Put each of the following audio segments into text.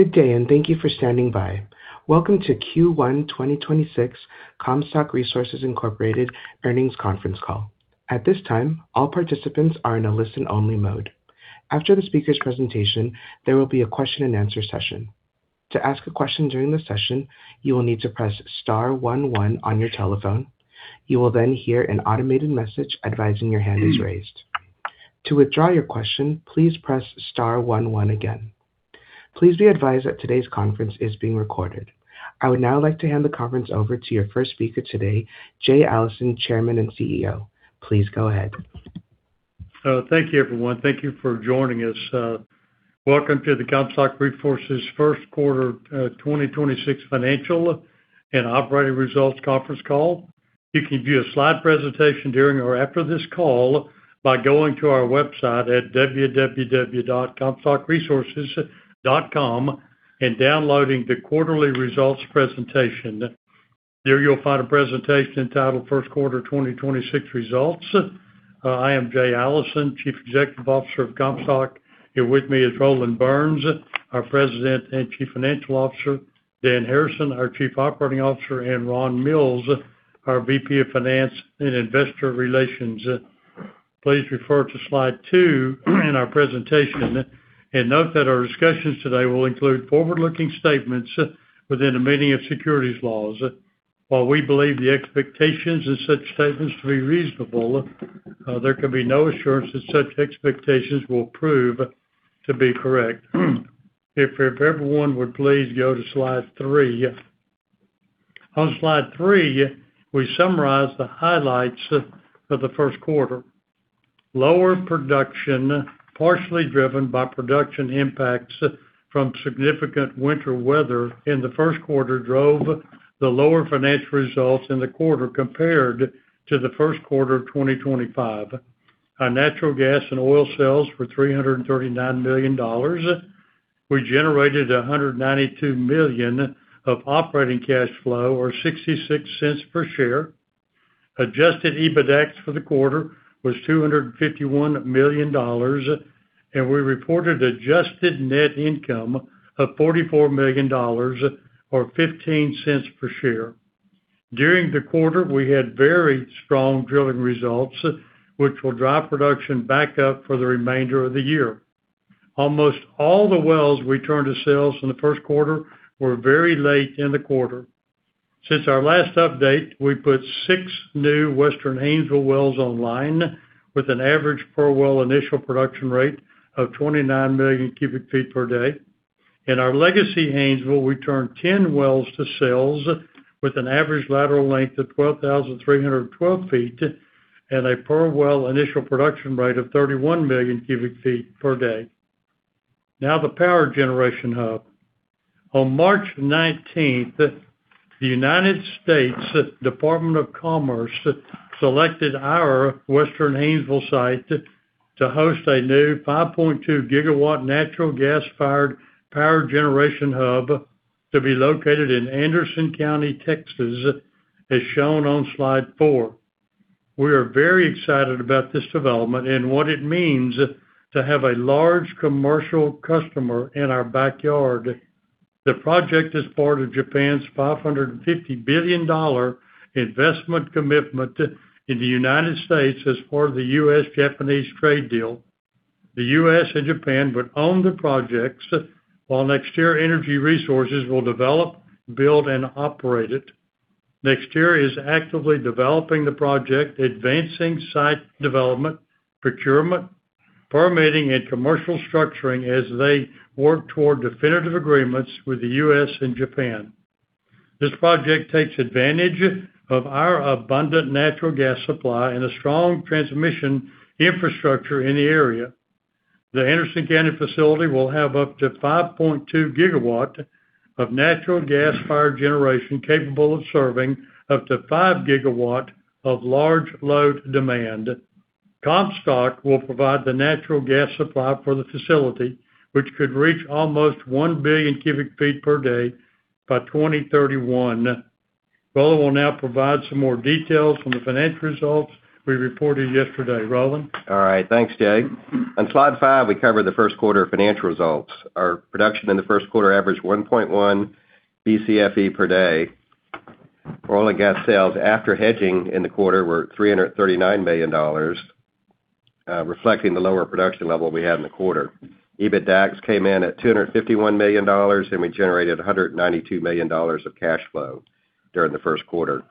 Good day, and thank you for standing by. Welcome to Q1 2026 Comstock Resources Incorporated earnings conference call. At this time, all participants are in a listen-only mode. After the speakers' presentation, there will be a question-and-answer session. To ask a question during the session, you will need to press star 11 on your telephone. Please be advised that today's conference is being recorded. I would now like to hand the conference over to your first speaker today, Jay Allison, Chairman and Chief Executive Officer. Please go ahead. Thank you, everyone. Thank you for joining us. Welcome to the Comstock Resources first quarter 2026 financial and operating results conference call. You can view a slide presentation during or after this call by going to our website at www.comstockresources.com and downloading the quarterly results presentation. There you'll find a presentation titled First Quarter 2026 Results. I am Jay Allison, Chief Executive Officer of Comstock. Here with me is Roland Burns, our President and Chief Financial Officer, Dan Harrison, our Chief Operating Officer, and Ron Mills, our VP of Finance and Investor Relations. Please refer to slide 2 in our presentation and note that our discussions today will include forward-looking statements within the meaning of securities laws. While we believe the expectations in such statements to be reasonable, there can be no assurance that such expectations will prove to be correct. If everyone would please go to slide three. On slide three, we summarize the highlights of the first quarter. Lower production, partially driven by production impacts from significant winter weather in the first quarter, drove the lower financial results in the quarter compared to the first quarter of 2025. Our natural gas and oil sales were $339 million. We generated $192 million of operating cash flow or $0.66 per share. Adjusted EBITDAX for the quarter was $251 million, and we reported adjusted net income of $44 million or $0.15 per share. During the quarter, we had very strong drilling results, which will drive production back up for the remainder of the year. Almost all the wells we turned to sales in the first quarter were very late in the quarter. Since our last update, we put six new Western Haynesville wells online with an average per well initial production rate of 29 million cubic ft per day. In our legacy Haynesville, we turned 10 wells to sales with an average lateral length of 12,312 ft and a per well initial production rate of 31 million cubic ft per day. Now the power generation hub. On March 19th, the United States Department of Commerce selected our Western Haynesville site to host a new 5.2 GW natural gas-fired power generation hub to be located in Anderson County, Texas, as shown on slide 4. We are very excited about this development and what it means to have a large commercial customer in our backyard. The project is part of Japan's $550 billion investment commitment in the U.S. as part of the U.S. Japanese trade deal. The U.S. and Japan would own the projects while NextEra Energy Resources will develop, build, and operate it. NextEra is actively developing the project, advancing site development, procurement, permitting, and commercial structuring as they work toward definitive agreements with the U.S. and Japan. This project takes advantage of our abundant natural gas supply and a strong transmission infrastructure in the area. The Anderson County facility will have up to 5.2 GW of natural gas fire generation capable of serving up to 5 GW of large load demand. Comstock will provide the natural gas supply for the facility, which could reach almost 1 billion cubic ft per day by 2031. Roland will now provide some more details on the financial results we reported yesterday. Roland? All right. Thanks, Jay. On slide 5, we cover the first quarter financial results. Our production in the first quarter averaged 1.1 Bcfe per day. Oil and gas sales after hedging in the quarter were $339 million, reflecting the lower production level we had in the quarter. EBITDAX came in at $251 million, and we generated $192 million of cash flow during the first quarter.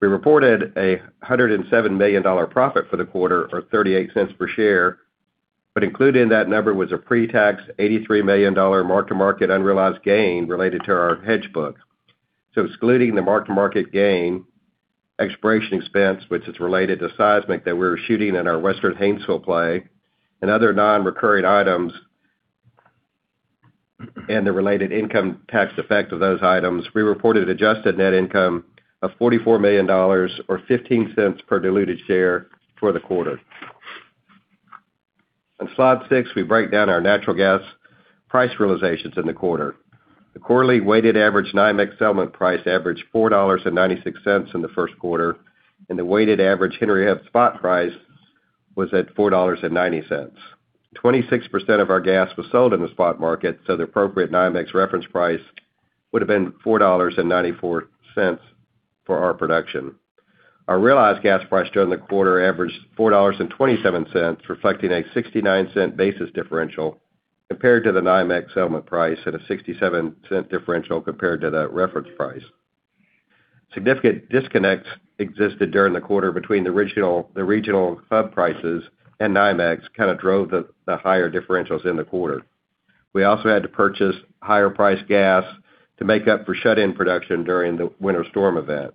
We reported a $107 million profit for the quarter or $0.38 per share, but included in that number was a pre-tax $83 million mark-to-market unrealized gain related to our hedge book. Excluding the mark-to-market gain, exploration expense, which is related to seismic that we're shooting in our Western Haynesville play, and other non-recurring items and the related income tax effect of those items, we reported adjusted net income of $44 million or $0.15 per diluted share for the quarter. On slide 6, we break down our natural gas price realizations in the quarter. The quarterly weighted average NYMEX settlement price averaged $4.96 in the first quarter, and the weighted average Henry Hub spot price was at $4.90. 26% of our gas was sold in the spot market, the appropriate NYMEX reference price would have been $4.94 for our production. Our realized gas price during the quarter averaged $4.27, reflecting a $0.69 basis differential compared to the NYMEX settlement price, and a $0.67 differential compared to that reference price. Significant disconnects existed during the quarter between the regional hub prices and NYMEX, kinda drove the higher differentials in the quarter. We also had to purchase higher-priced gas to make up for shut-in production during the winter storm event.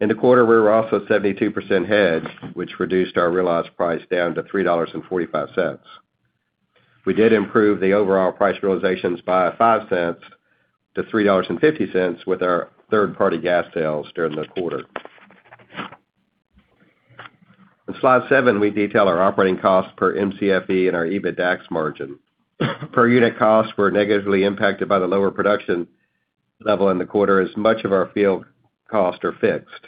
In the quarter, we were also 72% hedged, which reduced our realized price down to $3.45. We did improve the overall price realizations by $0.05-$3.50 with our third-party gas sales during the quarter. On slide 7, we detail our operating costs per Mcfe and our EBITDAX margin. Per unit costs were negatively impacted by the lower production level in the quarter as much of our field cost are fixed.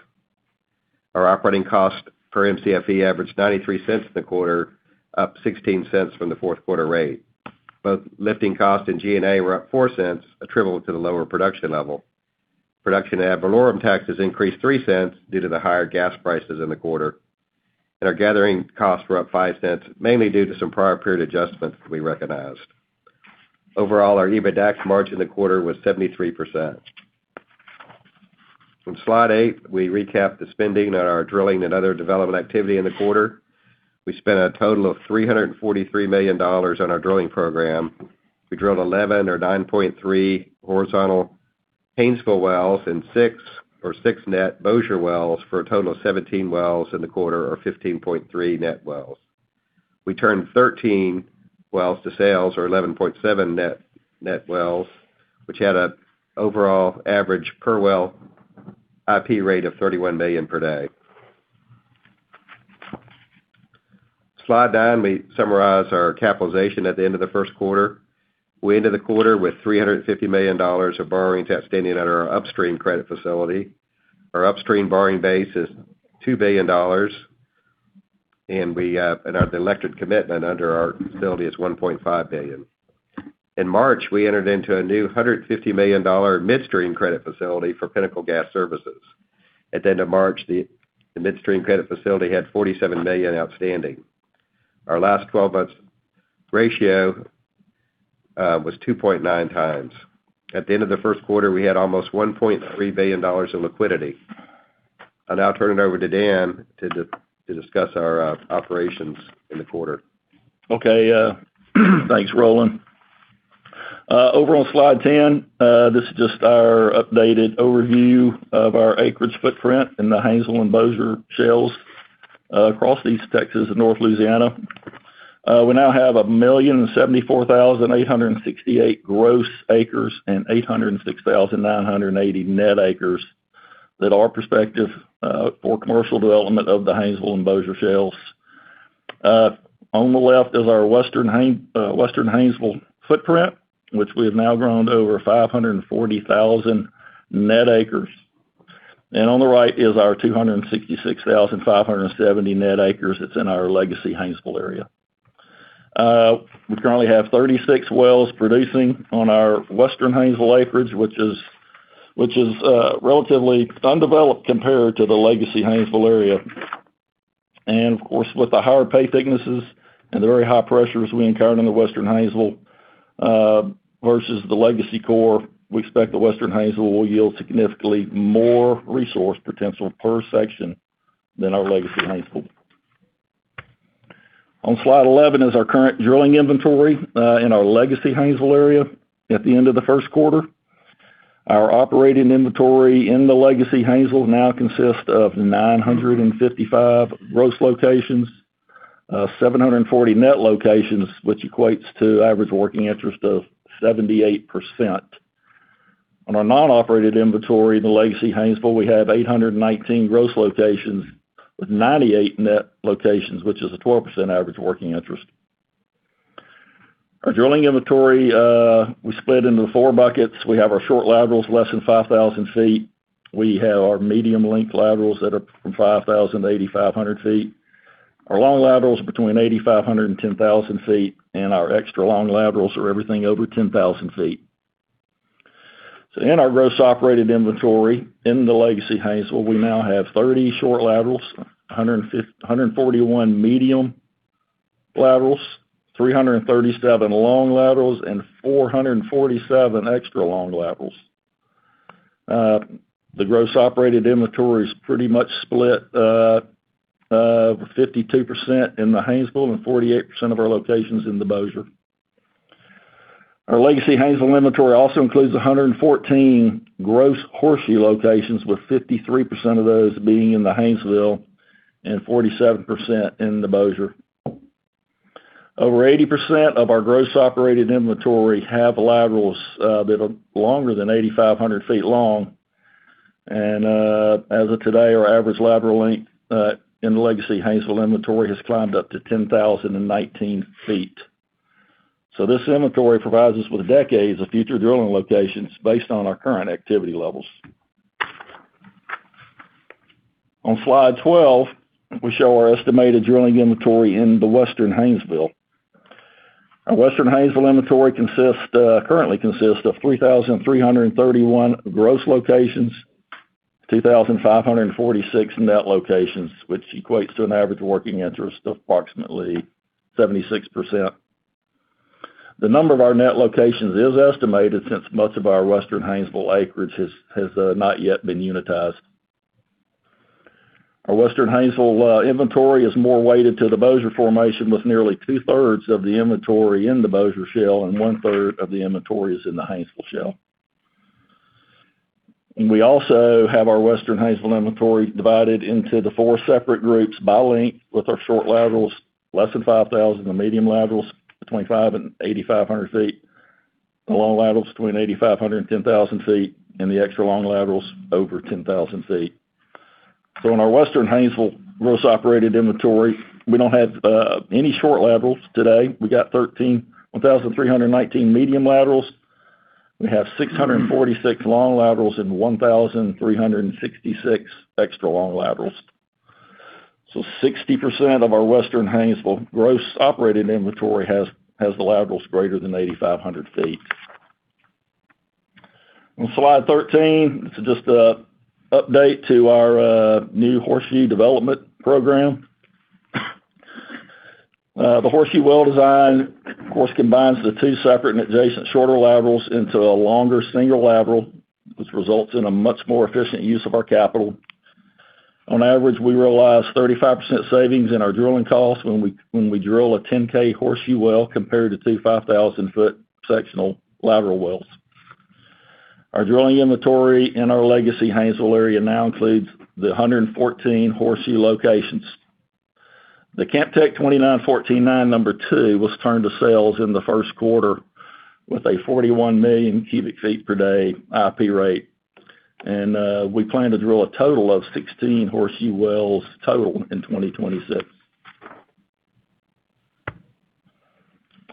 Our operating cost per Mcfe averaged $0.93 in the quarter, up $0.16 from the fourth quarter rate. Both lifting costs and G&A were up $0.04, attributable to the lower production level. Production ad valorem taxes increased $0.03 due to the higher gas prices in the quarter. Our gathering costs were up $0.05, mainly due to some prior period adjustments that we recognized. Overall, our EBITDAX margin in the quarter was 73%. On slide 8, we recap the spending on our drilling and other development activity in the quarter. We spent a total of $343 million on our drilling program. We drilled 11 or 9.3 horizontal Haynesville wells and six or six net Bossier wells for a total of 17 wells in the quarter or 15.3 net wells. We turned 13 wells to sales or 11.7 net wells, which had an overall average per well IP rate of 31 million per day. Slide 9, we summarize our capitalization at the end of the first quarter. We ended the quarter with $350 million of borrowings outstanding at our upstream credit facility. Our upstream borrowing base is $2 billion, and we and our elected commitment under our facility is $1.5 billion. In March, we entered into a new $150 million midstream credit facility for Pinnacle Gas Services. At the end of March, the midstream credit facility had $47 million outstanding. Our last 12 months ratio was 2.9 times. At the end of the first quarter, we had almost $1.3 billion in liquidity. I'll now turn it over to Dan to discuss our operations in the quarter. Okay, thanks, Roland Burns. Over on slide 10, this is just our updated overview of our acreage footprint in the Haynesville and Bossier Shales across East Texas and North Louisiana. We now have 1,074,868 gross acres and 806,980 net acres that are prospective for commercial development of the Haynesville and Bossier Shales. On the left is our Western Haynesville footprint, which we have now grown to over 540,000 net acres. On the right is our 266,570 net acres that's in our legacy Haynesville area. We currently have 36 wells producing on our Western Haynesville acreage, which is relatively undeveloped compared to the legacy Haynesville area. Of course, with the higher pay thicknesses and the very high pressures we encounter in the Western Haynesville, versus the legacy core, we expect the Western Haynesville will yield significantly more resource potential per section than our legacy Haynesville. On slide 11 is our current drilling inventory, in our legacy Haynesville area at the end of the first quarter. Our operating inventory in the legacy Haynesville now consists of 955 gross locations, 740 net locations, which equates to average working interest of 78%. On our non-operated inventory in the legacy Haynesville, we have 819 gross locations with 98 net locations, which is a 12% average working interest. Our drilling inventory, we split into four buckets. We have our short laterals, less than 5,000 ft. We have our medium-length laterals that are from 5,000 ft-8,500 ft. Our long laterals are between 8,500 ft and 10,000 ft, and our extra-long laterals are everything over 10,000 ft. In our gross operated inventory in the legacy Haynesville, we now have 30 short laterals, 141 medium laterals, 337 long laterals, and 447 extra-long laterals. The gross operated inventory is pretty much split, 52% in the Haynesville and 48% of our locations in the Bossier. Our legacy Haynesville inventory also includes 114 gross horseshoe locations, with 53% of those being in the Haynesville and 47% in the Bossier. Over 80% of our gross operated inventory have laterals that are longer than 8,500 ft long. As of today, our average lateral length in the legacy Haynesville inventory has climbed up to 10,019 ft. This inventory provides us with decades of future drilling locations based on our current activity levels. On slide 12, we show our estimated drilling inventory in the Western Haynesville. Our Western Haynesville inventory currently consists of 3,331 gross locations, 2,546 net locations, which equates to an average working interest of approximately 76%. The number of our net locations is estimated since most of our Western Haynesville acreage has not yet been unitized. Our Western Haynesville inventory is more weighted to the Bossier formation, with nearly two-thirds of the inventory in the Bossier Shale and one-third of the inventory is in the Haynesville Shale. We also have our Western Haynesville inventory divided into the four separate groups by length, with our short laterals less than 5,000 ft, the medium laterals between 5,000 ft and 8,500 ft, the long laterals between 8,500 ft and 10,000 ft, and the extra long laterals over 10,000 ft. In our Western Haynesville gross operated inventory, we don't have any short laterals today. We have 1,319 medium laterals. We have 646 long laterals and 1,366 extra long laterals. 60% of our Western Haynesville gross operated inventory has the laterals greater than 8,500 ft. On slide 13, this is just an update to our new Horseshoe development program. The Horseshoe well design, of course, combines the two separate and adjacent shorter laterals into a longer single lateral, which results in a much more efficient use of our capital. On average, we realize 35% savings in our drilling costs when we drill a 10K Horseshoe well compared to two 5,000-foot sectional lateral wells. Our drilling inventory in our legacy Haynesville area now includes the 114 Horseshoe locations. The Camp Tech 29149 number two was turned to sales in the first quarter with a 41 million cubic ft per day IP rate. We plan to drill a total of 16 Horseshoe wells total in 2026.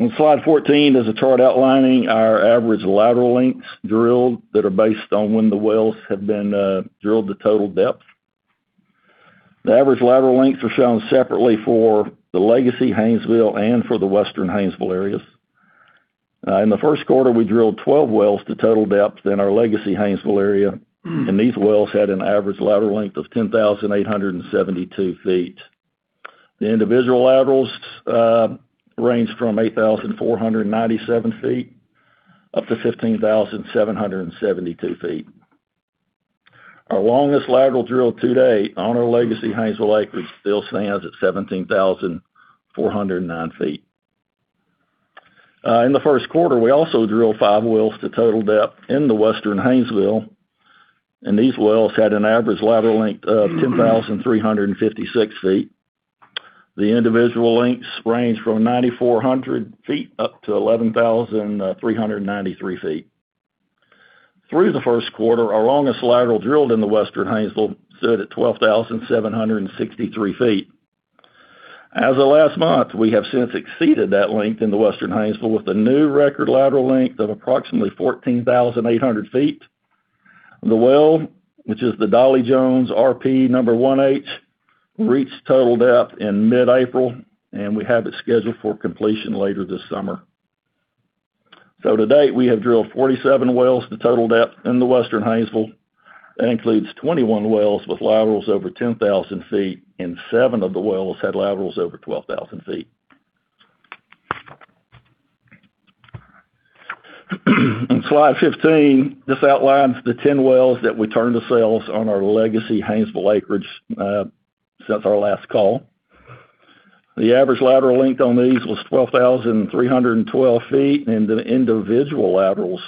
On slide 14 is a chart outlining our average lateral lengths drilled that are based on when the wells have been drilled to total depth. The average lateral lengths are shown separately for the legacy Haynesville and for the Western Haynesville areas. In the first quarter, we drilled 12 wells to total depth in our legacy Haynesville area, and these wells had an average lateral length of 10,872 ft. The individual laterals ranged from 8,497 ft up to 15,772 ft. Our longest lateral drill to date on our legacy Haynesville acreage still stands at 17,409 ft. In the first quarter, we also drilled five wells to total depth in the Western Haynesville, and these wells had an average lateral length of 10,356 ft. The individual lengths range from 9,400 ft up to 11,393 ft. Through the first quarter, our longest lateral drilled in the Western Haynesville stood at 12,763 ft. As of last month, we have since exceeded that length in the Western Haynesville with a new record lateral length of approximately 14,800 ft. The well, which is the Dolly Jones RP number one H, reached total depth in mid-April, we have it scheduled for completion later this summer. To date, we have drilled 47 wells to total depth in the Western Haynesville. That includes 21 wells with laterals over 10,000 ft, seven of the wells had laterals over 12,000 ft. On slide 15, this outlines the 10 wells that we turned to sales on our legacy Haynesville acreage since our last call. The average lateral length on these was 12,312 ft. The individual laterals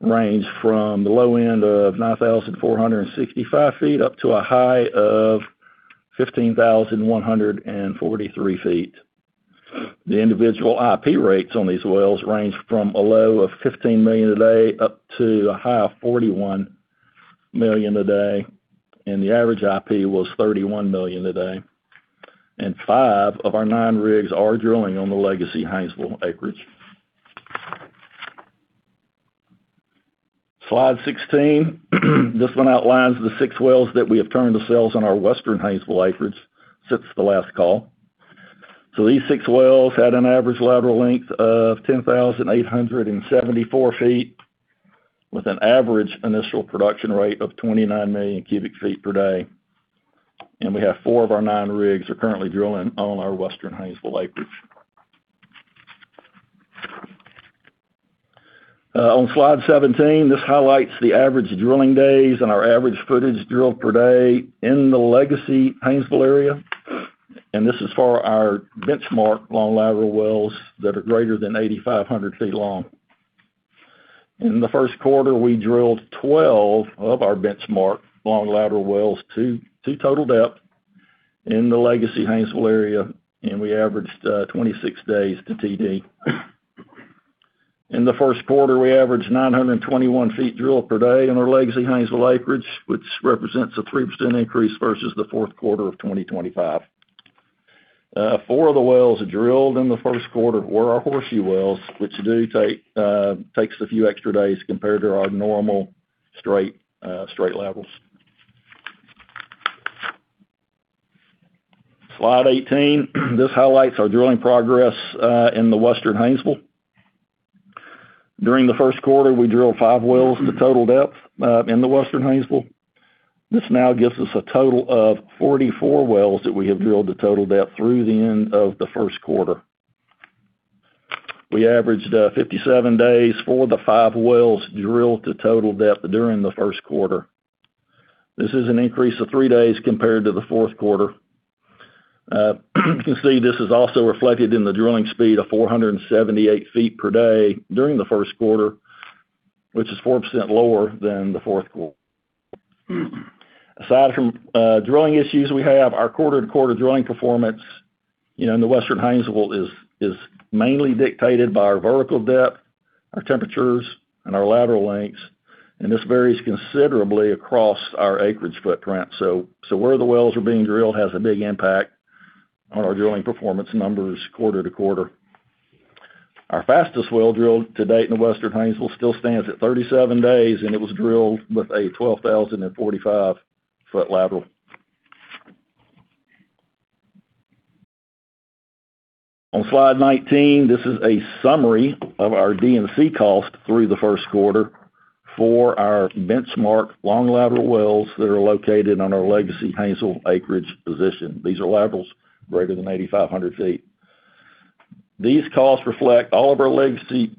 range from the low end of 9,465 ft up to a high of 15,143 ft. The individual IP rates on these wells range from a low of 15 million a day up to a high of 41 million a day. The average IP was 31 million a day. Five of our nine rigs are drilling on the legacy Haynesville acreage. Slide 16. This one outlines the six wells that we have turned to sales on our Western Haynesville acreage since the last call. These six wells had an average lateral length of 10,874 ft with an average initial production rate of 29 million cubic ft per day. We have four of our nine rigs are currently drilling on our Western Haynesville acreage. On slide 17, this highlights the average drilling days and our average footage drilled per day in the legacy Haynesville area. This is for our benchmark long lateral wells that are greater than 8,500 ft long. In the first quarter, we drilled 12 of our benchmark long lateral wells to total depth in the legacy Haynesville area, and we averaged 26 days to TD. In the first quarter, we averaged 921 ft drilled per day in our legacy Haynesville acreage, which represents a 3% increase versus the fourth quarter of 2025. Four of the wells drilled in the first quarter were our Horseshoe wells, which takes a few extra days compared to our normal straight levels. Slide 18. This highlights our drilling progress in the Western Haynesville. During the first quarter, we drilled five wells to total depth in the Western Haynesville. This now gives us a total of 44 wells that we have drilled to total depth through the end of the first quarter. We averaged 57 days for the five wells drilled to total depth during the first quarter. This is an increase of three days compared to the fourth quarter. You can see this is also reflected in the drilling speed of 478 ft per day during the first quarter, which is 4% lower than the fourth quarter. Aside from drilling issues we have, our quarter-to-quarter drilling performance, you know, in the Western Haynesville is mainly dictated by our vertical depth, our temperatures, and our lateral lengths, and this varies considerably across our acreage footprint. Where the wells are being drilled has a big impact on our drilling performance numbers quarter to quarter. Our fastest well drilled to date in the Western Haynesville still stands at 37 days, and it was drilled with a 12,045 ft lateral. On slide 19, this is a summary of our D&C cost through the first quarter for our benchmark long lateral wells that are located on our legacy Haynesville acreage position. These are laterals greater than 8,500 ft. These costs reflect all of our legacy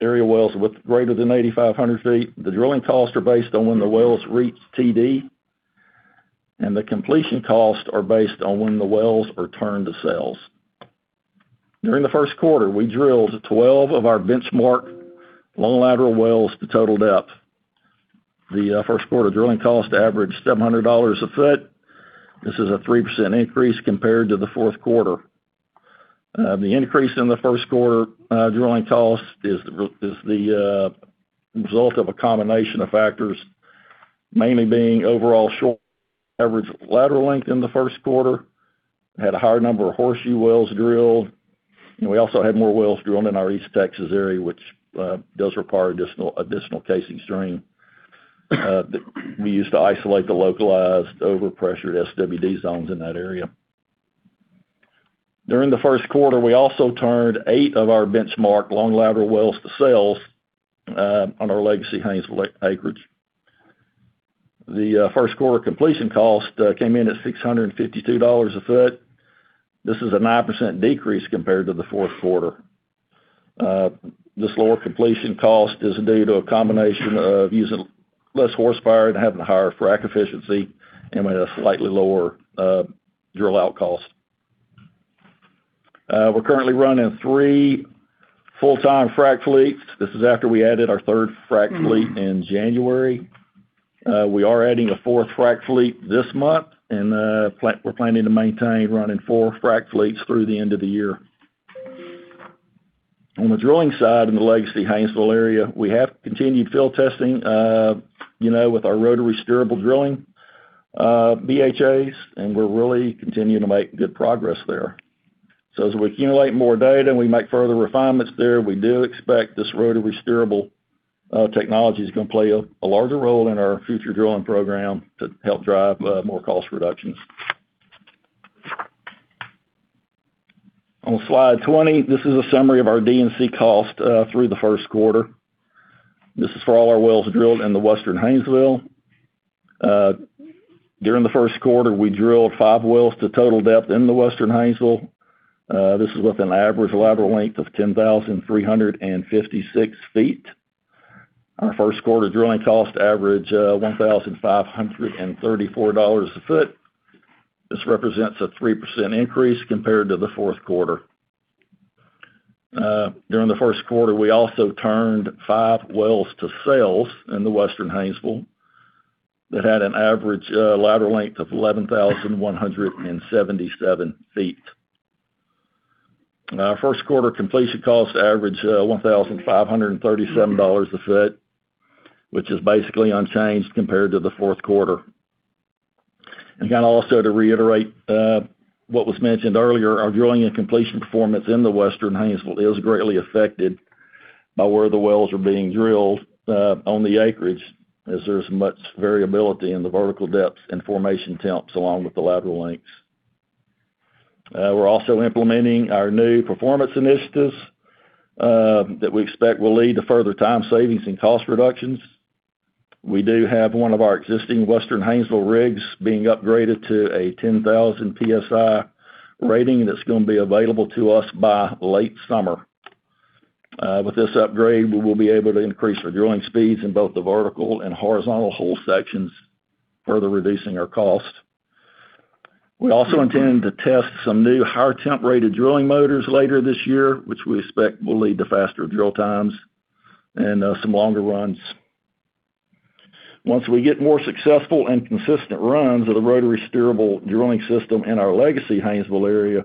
area wells with greater than 8,500 ft. The drilling costs are based on when the wells reach TD, and the completion costs are based on when the wells are turned to sales. During the first quarter, we drilled 12 of our benchmark long lateral wells to total depth. The first quarter drilling cost averaged $700 a foot. This is a 3% increase compared to the fourth quarter. The increase in the first quarter drilling cost is the result of a combination of factors, mainly being overall short average lateral length in the first quarter. We had a higher number of Horseshoe wells drilled, and we also had more wells drilled in our East Texas area, which does require additional casing string that we use to isolate the localized overpressure SWD zones in that area. During the first quarter, we also turned eight of our benchmark long lateral wells to sales on our legacy Haynesville acreage. The first quarter completion cost came in at $652 a foot. This is a 9% decrease compared to the fourth quarter. This lower completion cost is due to a combination of using less horsepower and having higher frack efficiency and with a slightly lower drill-out cost. We're currently running three full-time frack fleets. This is after we added our third frack fleet in January. We are adding a fourth frack fleet this month, and we're planning to maintain running four frack fleets through the end of the year. On the drilling side in the legacy Haynesville area, we have continued field testing, you know, with our rotary steerable drilling BHAs, and we're really continuing to make good progress there. As we accumulate more data and we make further refinements there, we do expect this rotary steerable technology is gonna play a larger role in our future drilling program to help drive more cost reductions. On slide 20, this is a summary of our D&C cost through the first quarter. This is for all our wells drilled in the Western Haynesville. During the first quarter, we drilled five wells to total depth in the Western Haynesville. This is with an average lateral length of 10,356 ft. Our first quarter drilling cost averaged $1,534 a foot. This represents a 3% increase compared to the fourth quarter. During the first quarter, we also turned five wells to sales in the Western Haynesville that had an average lateral length of 11,177 ft. Our first quarter completion cost averaged $1,537 a foot, which is basically unchanged compared to the fourth quarter. Again, also to reiterate, what was mentioned earlier, our drilling and completion performance in the Western Haynesville is greatly affected by where the wells are being drilled on the acreage, as there's much variability in the vertical depths and formation temps along with the lateral lengths. We're also implementing our new performance initiatives that we expect will lead to further time savings and cost reductions. We do have one of our existing Western Haynesville rigs being upgraded to a 10,000 PSI rating that's gonna be available to us by late summer. With this upgrade, we will be able to increase our drilling speeds in both the vertical and horizontal hole sections, further reducing our cost. We also intend to test some new higher temp rated drilling motors later this year, which we expect will lead to faster drill times and some longer runs. Once we get more successful and consistent runs of the rotary steerable drilling system in our legacy Haynesville area,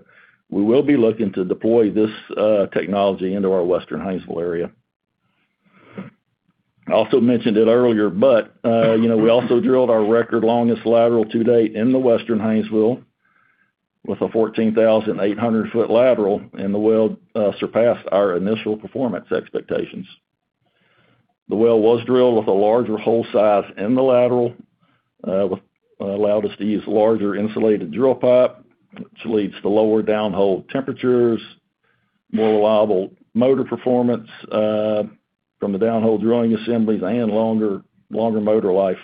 we will be looking to deploy this technology into our Western Haynesville area. I also mentioned it earlier, but, you know, we also drilled our record longest lateral to date in the Western Haynesville with a 14,800 ft lateral, and the well surpassed our initial performance expectations. The well was drilled with a larger hole size in the lateral, which allowed us to use larger insulated drill pipe, which leads to lower down hole temperatures, more reliable motor performance from the downhole drilling assemblies, and longer motor life.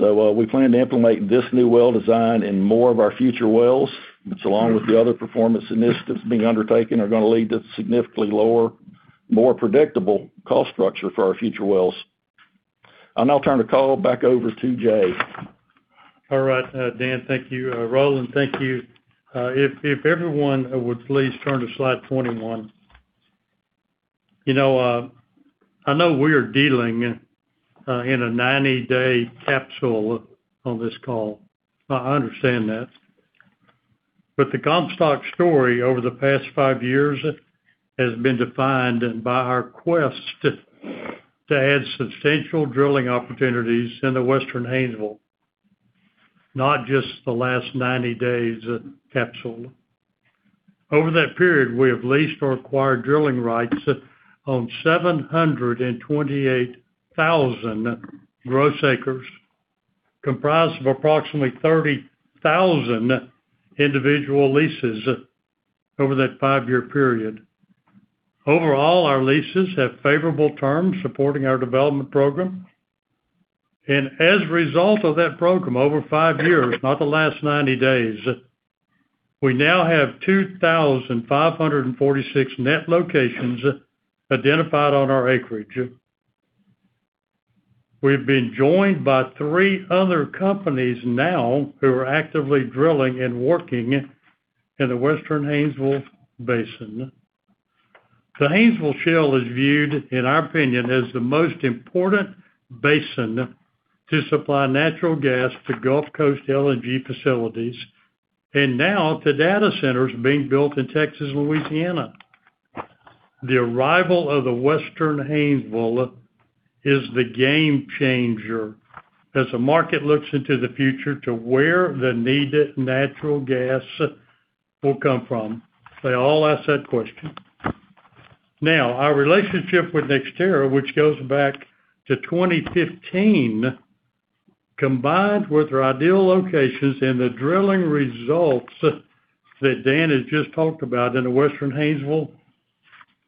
We plan to implement this new well design in more of our future wells. This, along with the other performance initiatives being undertaken, are gonna lead to significantly lower, more predictable cost structure for our future wells. I'll now turn the call back over to Jay. All right, Dan, thank you. Roland, thank you. If everyone would please turn to slide 21. You know, I know we're dealing in a 90-day capsule on this call. I understand that. The Comstock story over the past five years has been defined by our quest to add substantial drilling opportunities in the Western Haynesville, not just the last 90 days capsule. Over that period, we have leased or acquired drilling rights on 728,000 gross acres, comprised of approximately 30,000 individual leases over that five year period. Overall, our leases have favorable terms supporting our development program. As a result of that program, over five years, not the last 90 days, we now have 2,546 net locations identified on our acreage. We've been joined by three other companies now who are actively drilling and working in the Western Haynesville Basin. The Haynesville Shale is viewed, in our opinion, as the most important basin to supply natural gas to Gulf Coast LNG facilities, and now to data centers being built in Texas and Louisiana. The arrival of the Western Haynesville is the game changer as the market looks into the future to where the needed natural gas will come from. They all ask that question. Our relationship with NextEra, which goes back to 2015, combined with our ideal locations and the drilling results that Dan has just talked about in the Western Haynesville,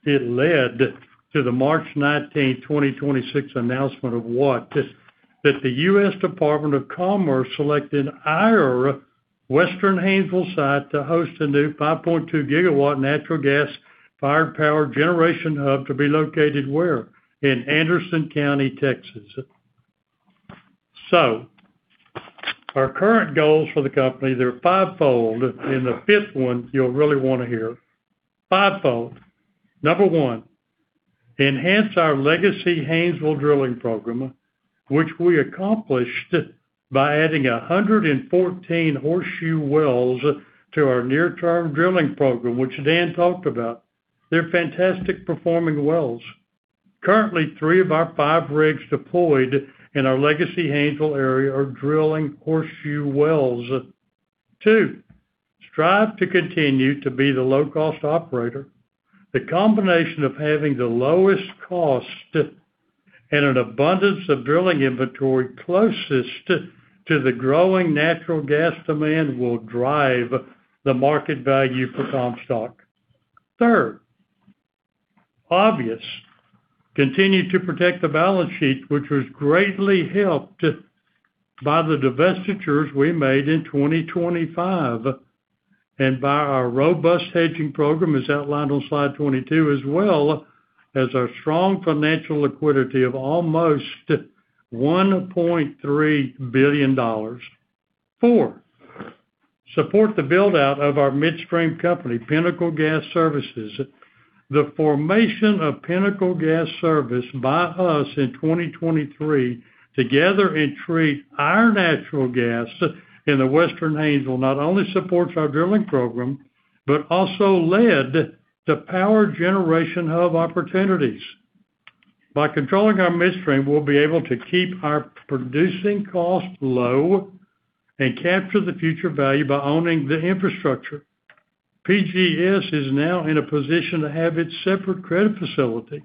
it led to the March 19, 2026 announcement of what? That the U.S. Department of Commerce selected our Western Haynesville site to host a new 5.2 GW natural gas fire power generation hub to be located where? In Anderson County, Texas. Our current goals for the company, they're fivefold, and the fifth one you'll really want to hear. Fivefold. Number one, enhance our legacy Haynesville drilling program, which we accomplished by adding 114 horseshoe wells to our near-term drilling program, which Dan talked about. They're fantastic performing wells. Currently, three of our five rigs deployed in our legacy Haynesville area are drilling horseshoe wells. Two, strive to continue to be the low-cost operator. The combination of having the lowest cost and an abundance of drilling inventory closest to the growing natural gas demand will drive the market value for Comstock. Third, obvious, continue to protect the balance sheet, which was greatly helped by the divestitures we made in 2025, and by our robust hedging program, as outlined on slide 22, as well as our strong financial liquidity of almost $1.3 billion. Four, support the build-out of our midstream company, Pinnacle Gas Services. The formation of Pinnacle Gas Services by us in 2023 to gather and treat our natural gas in the Western Haynesville not only supports our drilling program, but also led to power generation hub opportunities. By controlling our midstream, we'll be able to keep our producing cost low and capture the future value by owning the infrastructure. PGS is now in a position to have its separate credit facility.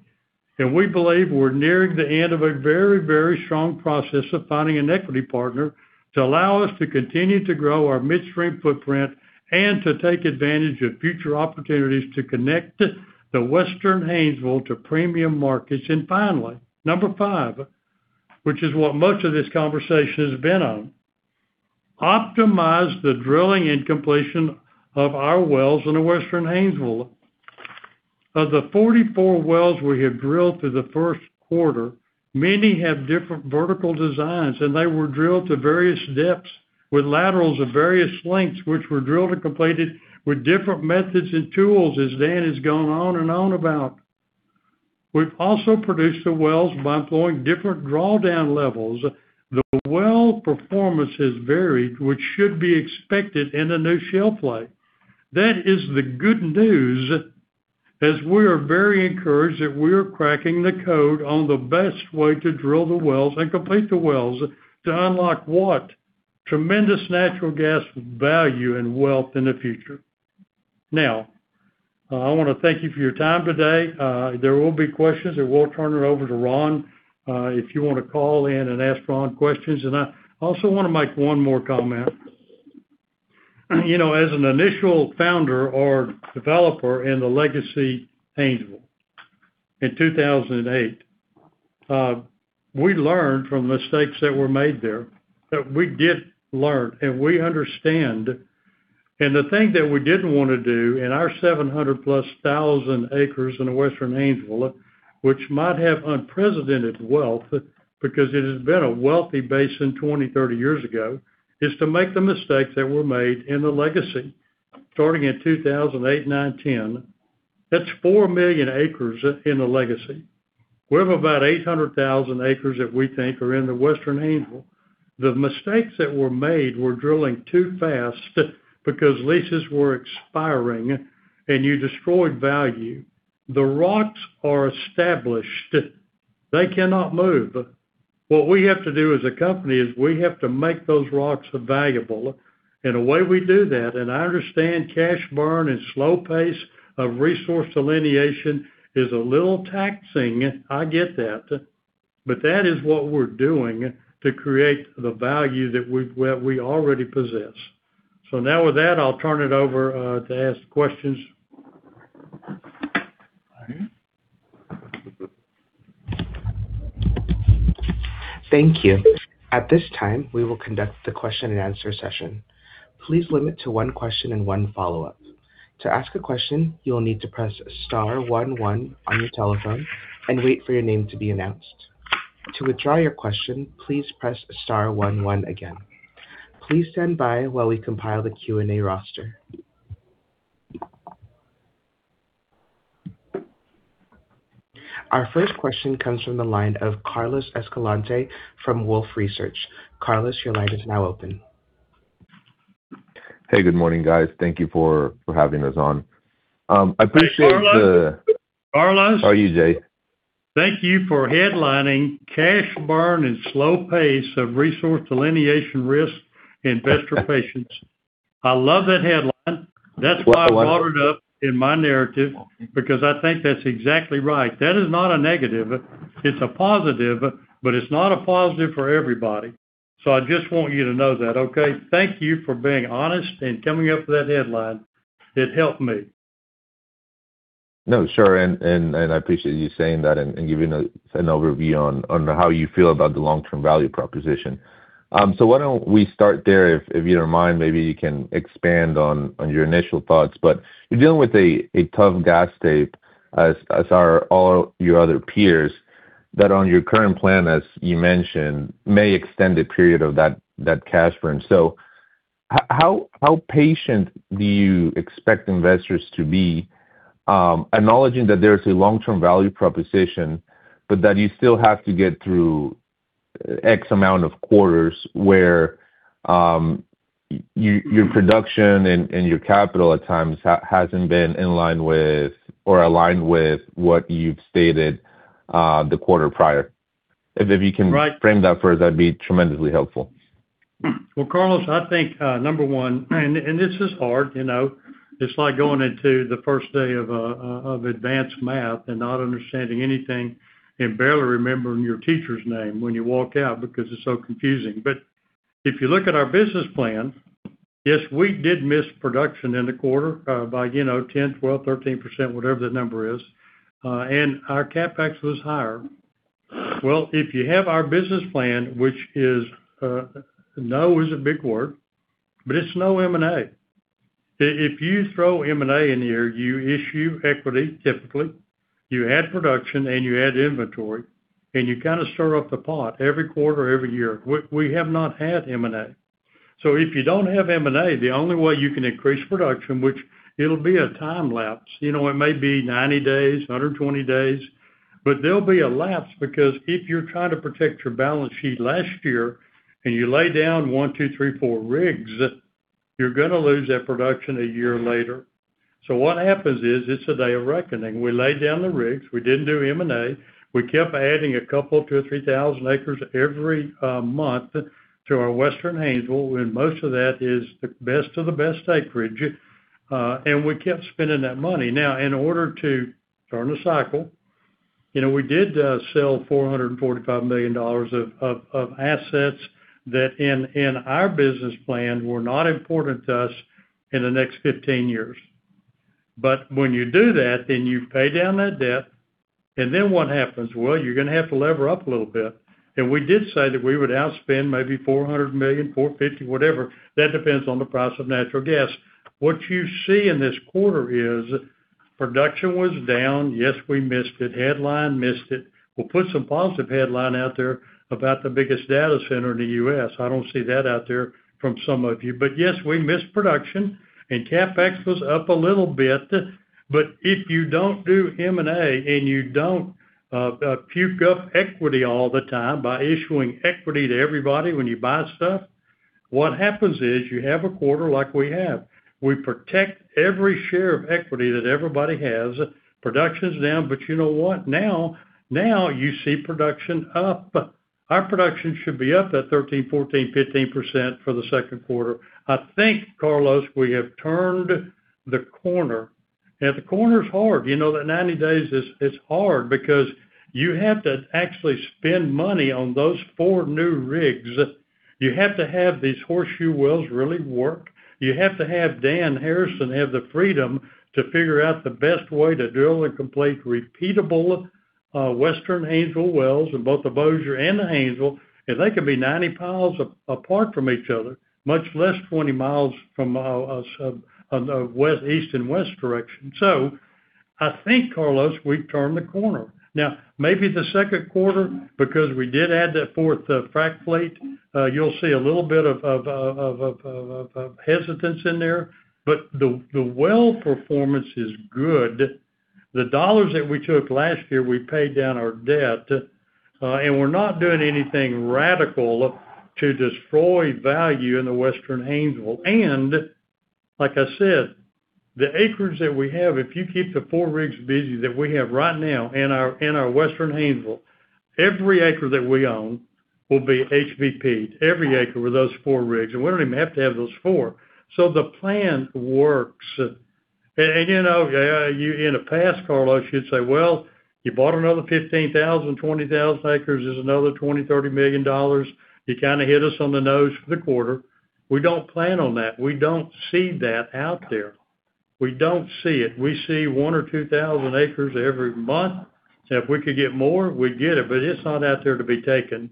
We believe we're nearing the end of a very, very strong process of finding an equity partner to allow us to continue to grow our midstream footprint and to take advantage of future opportunities to connect the Western Haynesville to premium markets. Finally, number five, which is what much of this conversation has been on, optimize the drilling and completion of our wells in the Western Haynesville. Of the 44 wells we have drilled through the first quarter, many have different vertical designs. They were drilled to various depths with laterals of various lengths, which were drilled and completed with different methods and tools, as Dan has gone on and on about. We've also produced the wells by employing different drawdown levels. The well performance has varied, which should be expected in a new shale play. That is the good news, as we are very encouraged that we are cracking the code on the best way to drill the wells and complete the wells to unlock what, tremendous natural gas value and wealth in the future. I want to thank you for your time today. There will be questions. We'll turn it over to Ron if you want to call in and ask Ron questions. I also want to make one more comment. You know, as an initial founder or developer in the Legacy Haynesville in 2008, we learned from mistakes that were made there, that we did learn. We understand. The thing that we didn't want to do in our 700,000+ acres in the Western Haynesville, which might have unprecedented wealth, because it has been a wealthy basin 20, 30 years ago, is to make the mistakes that were made in the Legacy starting in 2008, 2009, 2010. That's 4 million acres in the Legacy. We have about 800,000 acres that we think are in the Western Haynesville. The mistakes that were made were drilling too fast because leases were expiring, and you destroyed value. The rocks are established. They cannot move. What we have to do as a company is we have to make those rocks valuable. The way we do that, and I understand cash burn and slow pace of resource delineation is a little taxing, I get that. That is what we're doing to create the value that we already possess. Now with that, I'll turn it over to ask questions. Thank you. At this time, we will conduct the question-and-answer session. Please limit to one question and one follow-up. To ask a question, you will need to press star one one on your telephone and wait for your name to be announced. To withdraw your question, please press star one one again. Please stand by while we compile the Q&A roster. Our first question comes from the line of Carlos Escalante from Wolfe Research. Carlos, your line is now open. Hey, good morning, guys. Thank you for having us on. Hey, Carlos. Carlos. How are you, Jay? Thank you for headlining cash burn and slow pace of resource delineation risk, investor patience. I love that headline. That's why I brought it up in my narrative, because I think that's exactly right. That is not a negative. It's a positive, but it's not a positive for everybody. I just want you to know that, okay? Thank you for being honest and coming up with that headline. It helped me. No, sure. I appreciate you saying that and giving us an overview on how you feel about the long-term value proposition. Why don't we start there, if you don't mind, maybe you can expand on your initial thoughts. You're dealing with a tough gas tape as are all your other peers, that on your current plan, as you mentioned, may extend the period of that cash burn. How patient do you expect investors to be, acknowledging that there's a long-term value proposition, but that you still have to get through X amount of quarters where your production and your capital at times hasn't been in line with or aligned with what you've stated, the quarter prior? Right. Frame that for us, that'd be tremendously helpful. Carlos, I think, number 1, and this is hard, you know. It's like going into the first day of advanced math and not understanding anything and barely remembering your teacher's name when you walk out because it's so confusing. If you look at our business plan, yes, we did miss production in the quarter by, you know, 10%, 12%, 13%, whatever the number is, and our CapEx was higher. If you have our business plan, which is, no is a big word, but it's no M&A. If you throw M&A in here, you issue equity, typically, you add production and you add inventory, and you kind of stir up the pot every quarter, every year. We have not had M&A. If you don't have M&A, the only way you can increase production, which it'll be a time lapse, you know, it may be 90 days, 120 days, but there'll be a lapse because if you're trying to protect your balance sheet last year and you lay down one, two, three, four rigs, you're gonna lose that production a year later. What happens is, it's a day of reckoning. We laid down the rigs. We didn't do M&A. We kept adding a couple, 2,000 or 3,000 acres every month to our Western Haynesville, and most of that is the best of the best acreage. We kept spending that money. Now, in order to turn the cycle, you know, we did sell $445 million of assets that in our business plan were not important to us in the next 15 years. When you do that, you pay down that debt, then what happens? Well, you're going to have to lever up a little bit. We did say that we would outspend maybe $400 million, $450, whatever. That depends on the price of natural gas. What you see in this quarter is, production was down. Yes, we missed it. Headline missed it. We'll put some positive headline out there about the biggest data center in the U.S. I don't see that out there from some of you. Yes, we missed production, and CapEx was up a little bit. If you don't do M&A and you don't puke up equity all the time by issuing equity to everybody when you buy stuff, what happens is you have a quarter like we have. We protect every share of equity that everybody has. Production's down. You know what? Now you see production up. Our production should be up at 13%, 14%, 15% for the second quarter. I think, Carlos, we have turned the corner. The corner's hard. You know, the 90 days is hard because you have to actually spend money on those four new rigs. You have to have these horseshoe wells really work. You have to have Dan Harrison have the freedom to figure out the best way to drill and complete repeatable, Western Haynesville wells in both the Bossier and the Haynesville, and they could be 90 mi apart from each other, much less 20 mi from us, on the east and west direction. I think, Carlos, we've turned the corner. Maybe the second quarter, because we did add that fourth frac fleet, you'll see a little bit of hesitance in there. The well performance is good. The dollars that we took last year, we paid down our debt, and we're not doing anything radical to destroy value in the Western Haynesville. Like I said, the acreage that we have, if you keep the four rigs busy that we have right now in our Western Haynesville, every acre that we own will be HBP, every acre with those four rigs. We don't even have to have those four. The plan works. You know, you in the past, Carlos, you'd say, "Well, you bought another 15,000, 20,000 acres. There's another $20 million-$30 million. You kinda hit us on the nose for the quarter." We don't plan on that. We don't see that out there. We don't see it. We see one or 2,000 acres every month. If we could get more, we'd get it. It's not out there to be taken.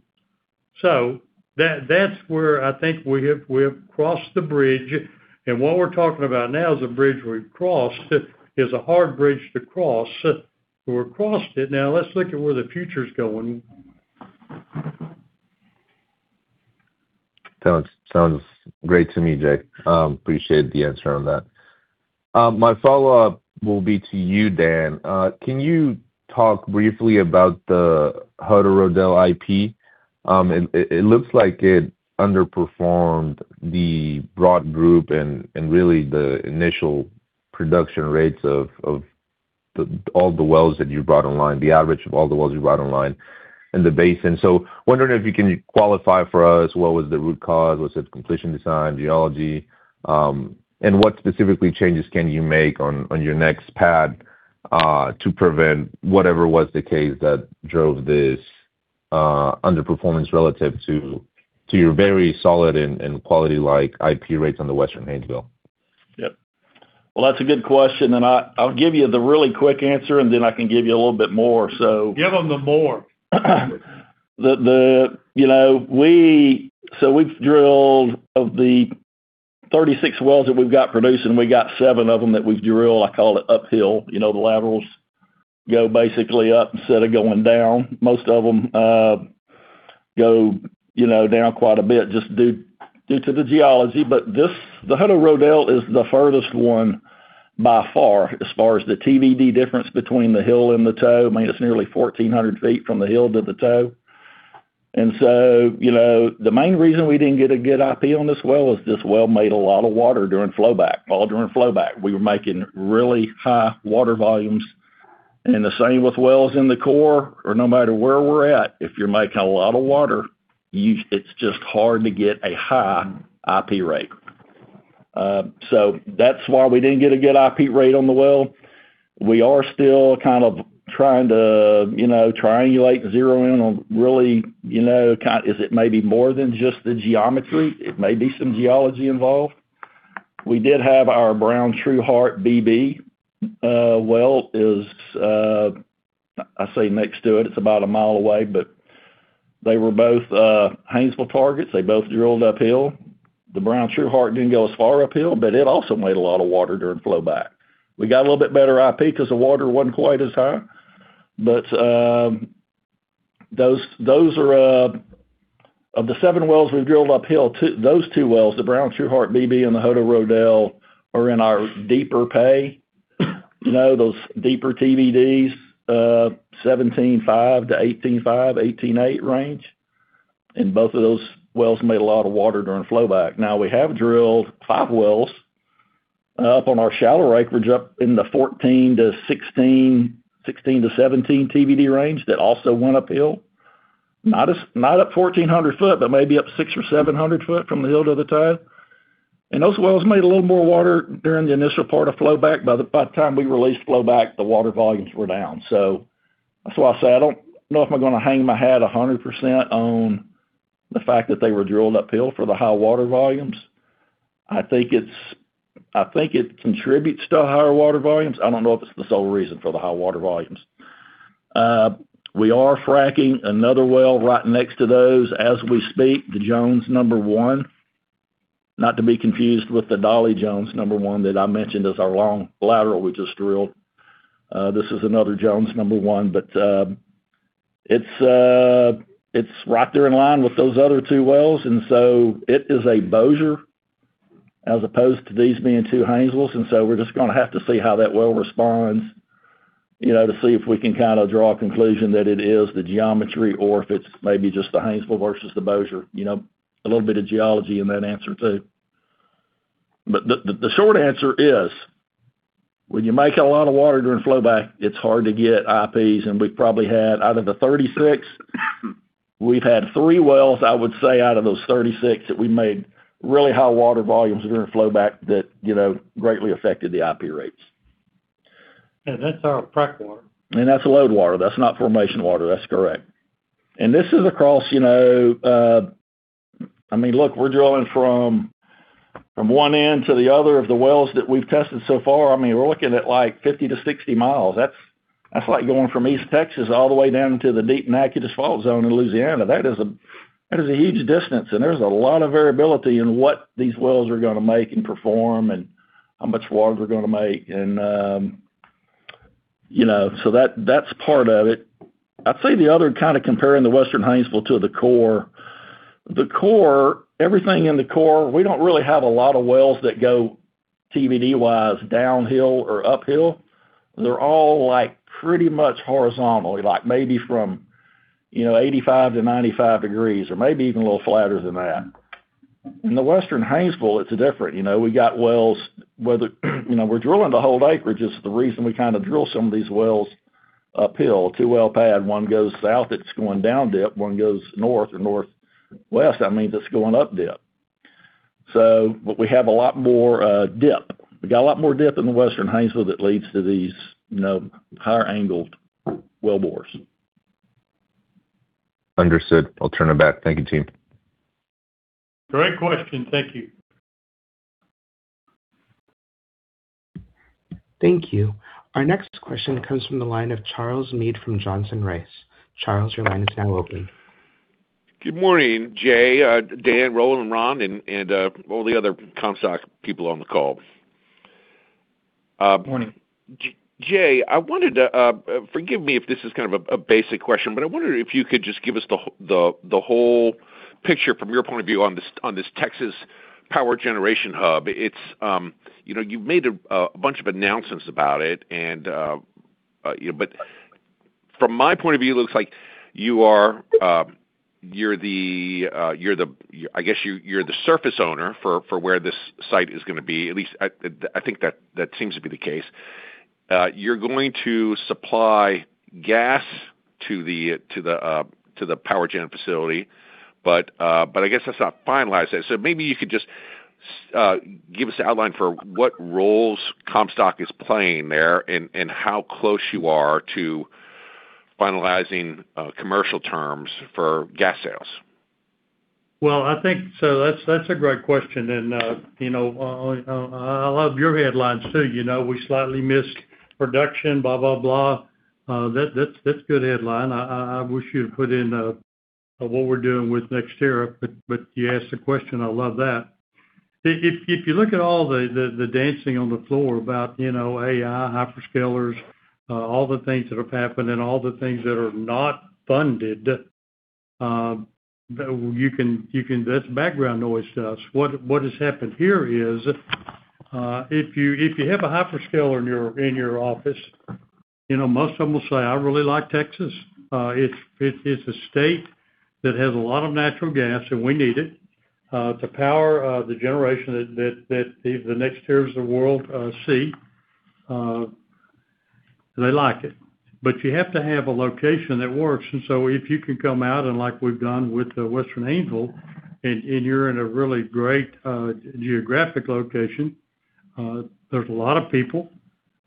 That's where I think we have crossed the bridge, and what we're talking about now is a bridge we've crossed, is a hard bridge to cross. We've crossed it. Let's look at where the future's going. Sounds great to me, Jay. Appreciate the answer on that. My follow-up will be to you, Dan. Can you talk briefly about the Hutto Rodell IP? It looks like it underperformed the broad group and really the initial production rates of all the wells that you brought online, the average of all the wells you brought online in the basin. Wondering if you can qualify for us what was the root cause? Was it completion design, geology? What specifically changes can you make on your next pad to prevent whatever was the case that drove this underperformance relative to your very solid and quality-like IP rates on the Western Haynesville? Yep. Well, that's a good question, and I'll give you the really quick answer, and then I can give you a little bit more. Give him the more. You know, we've drilled Of the 36 wells that we've got producing, we got seven of them that we've drilled, I call it uphill. You know, the laterals go basically up instead of going down. Most of them, you know, go down quite a bit just due to the geology. This, the Hutto Rodell is the furthest one by far as far as the TVD difference between the hill and the toe. I mean, it's nearly 1,400 ft from the hill to the toe. You know, the main reason we didn't get a good IP on this well is this well made a lot of water during flowback. All during flowback, we were making really high water volumes. The same with wells in the core or no matter where we're at, if you're making a lot of water, it's just hard to get a high IP rate. That's why we didn't get a good IP rate on the well. We are still kind of trying to, you know, triangulate zero in on really, you know, Is it maybe more than just the geometry? It may be some geology involved. We did have our Brown Trueheart BB well is, I say next to it. It's about a mile away. They were both Haynesville targets. They both drilled uphill. The Brown Trueheart didn't go as far uphill, but it also made a lot of water during flowback. We got a little bit better IP 'cause the water wasn't quite as high. Those are Of the seven wells we've drilled uphill, those two wells, the Brown Trueheart BB and the Hutto Rodell, are in our deeper pay. Those deeper TVDs, 17,500 to 18,500, 18,800 range. Both of those wells made a lot of water during flowback. We have drilled five wells up on our shallow acreage up in the 14,000 to 16,000, 16,000 to 17,000 TVD range that also went uphill. Not up 1,400 ft, but maybe up 600 ft or 700 ft from the hill to the toe. Those wells made a little more water during the initial part of flowback. By the time we released flowback, the water volumes were down. That's why I say I don't know if I'm gonna hang my hat 100% on the fact that they were drilled uphill for the high water volumes. I think it contributes to higher water volumes. I don't know if it's the sole reason for the high water volumes. We are fracking another well right next to those as we speak, the Jones number one. Not to be confused with the Dolly Jones number one that I mentioned as our long lateral we just drilled. This is another Jones number one, but it's right there in line with those other two wells. It is a Bossier as opposed to these being two Haynesvilles. We're just gonna have to see how that well responds, you know, to see if we can kind of draw a conclusion that it is the geometry or if it's maybe just the Haynesville versus the Bossier. You know, a little bit of geology in that answer, too. The short answer is, when you make a lot of water during flowback, it's hard to get IPs. We've probably had out of the 36, we've had three wells, I would say, out of those 36, that we made really high water volumes during flowback that, you know, greatly affected the IP rates. That's our frack water. That's load water. That's not formation water. That's correct. This is across, you know, I mean, look, we're drilling from one end to the other of the wells that we've tested so far. I mean, we're looking at, like, 50 mi to 60 mi. That's like going from East Texas all the way down to the deep Natchitoches Fault Zone in Louisiana. That is a, that is a huge distance, and there's a lot of variability in what these wells are gonna make and perform and how much water they're gonna make. You know, so that's part of it. I'd say the other, kind of comparing the Western Haynesville to the core. The core, everything in the core, we don't really have a lot of wells that go TBD-wise downhill or uphill. They're all, like, pretty much horizontal, like maybe from, you know, 85 to 95 degrees or maybe even a little flatter than that. In the Western Haynesville, it's different. You know, we got wells whether, you know, we're drilling to hold acreage is the reason we kind of drill some of these wells uphill. Two well pad, one goes south, it's going down dip, one goes north or northwest, that means it's going up dip. But we have a lot more dip. We got a lot more dip in the Western Haynesville that leads to these, you know, higher angled wellbores. Understood. I'll turn it back. Thank you, team. Great question. Thank you. Thank you. Our next question comes from the line of Charles Meade from Johnson Rice. Charles, your line is now open. Good morning, Jay, Dan, Roland, Ron, and all the other Comstock people on the call. Morning. Jay, I wanted to, forgive me if this is kind of a basic question, I wondered if you could just give us the whole picture from your point of view on this Texas power generation hub. It's, you know, you've made a bunch of announcements about it and, you know. From my point of view, it looks like you are, you're the, I guess you're the surface owner for where this site is gonna be. At least I think that seems to be the case. You're going to supply gas to the power gen facility. I guess that's not finalized. Maybe you could just give us an outline for what roles Comstock is playing there and how close you are to finalizing commercial terms for gas sales. Well, I think that's a great question. You know, I love your headlines too. You know, we slightly missed production, blah, blah. That's a good headline. I wish you'd put in what we're doing with NextEra, but you asked the question, I love that. If you look at all the dancing on the floor about, you know, AI, hyperscalers, all the things that have happened and all the things that are not funded, that's background noise to us. What has happened here is, if you have a hyperscaler in your office, you know, most of them will say, "I really like Texas." It's, it is a state that has a lot of natural gas, and we need it to power the generation that the NextEras of the world see. They like it. You have to have a location that works. If you can come out and like we've done with the Western Haynesville, and you're in a really great geographic location, there's a lot of people.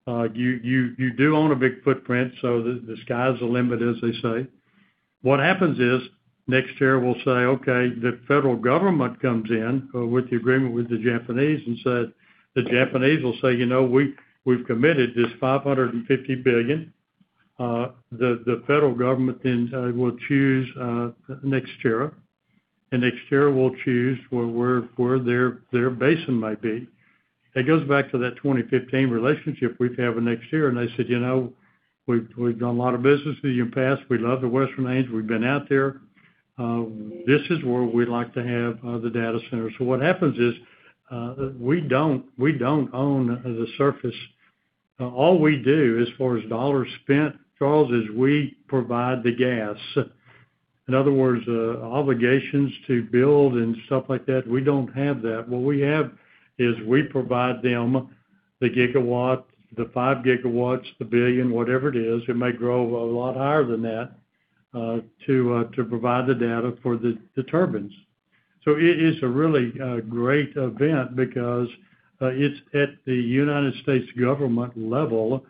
You do own a big footprint, so the sky's the limit, as they say. What happens is, NextEra will say, "Okay," the federal government comes in with the agreement with the Japanese and said. The Japanese will say, "You know, we've committed this $550 billion." The federal government then will choose NextEra. NextEra will choose where their basin might be. It goes back to that 2015 relationship we have with NextEra. They said, "You know, we've done a lot of business with you in the past. We love the Western Haynesville. We've been out there. This is where we'd like to have the data center." What happens is, we don't own the surface. All we do as far as $ spent, Charles, is we provide the gas. In other words, obligations to build and stuff like that, we don't have that. What we have is we provide them the gigawatts, the 5 GW, the billion, whatever it is, it may grow a lot higher than that, to provide the data for the turbines. It is a really great event because it's at the U.S. government level,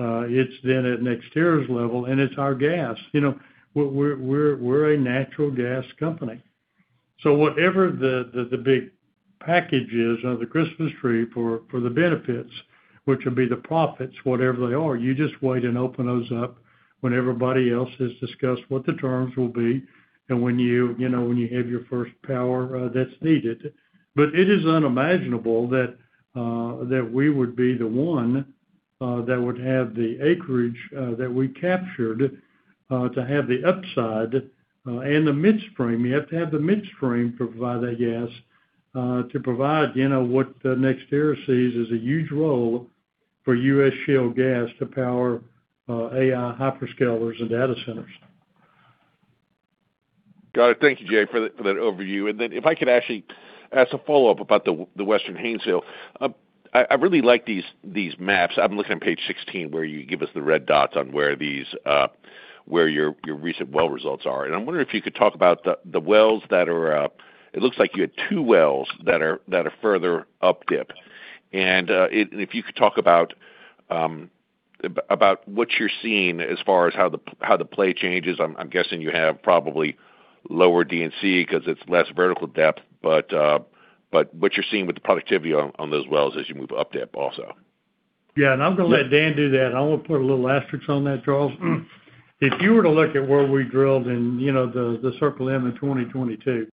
it's then at NextEra's level, and it's our gas. You know, we're a natural gas company. Whatever the big package is under the Christmas tree for the benefits. Which will be the profits, whatever they are. You just wait and open those up when everybody else has discussed what the terms will be and when you know, when you have your first power, that's needed. It is unimaginable that we would be the one that would have the acreage that we captured to have the upside and the midstream. You have to have the midstream to provide that gas to provide, you know, what NextEra sees as a huge role for U.S. shale gas to power AI hyperscalers and data centers. Got it. Thank you, Jay, for that overview. If I could actually ask a follow-up about the Western Haynesville. I really like these maps. I'm looking at page 16 where you give us the red dots on where your recent well results are. I'm wondering if you could talk about the wells that It looks like you had two wells that are further up dip. If you could talk about what you're seeing as far as how the play changes. I'm guessing you have probably lower D&C because it's less vertical depth, but what you're seeing with the productivity on those wells as you move up dip also. Yeah. I'm gonna let Dan do that. I wanna put a little asterisk on that, Charles. If you were to look at where we drilled in, you know, the Circle M in 2022,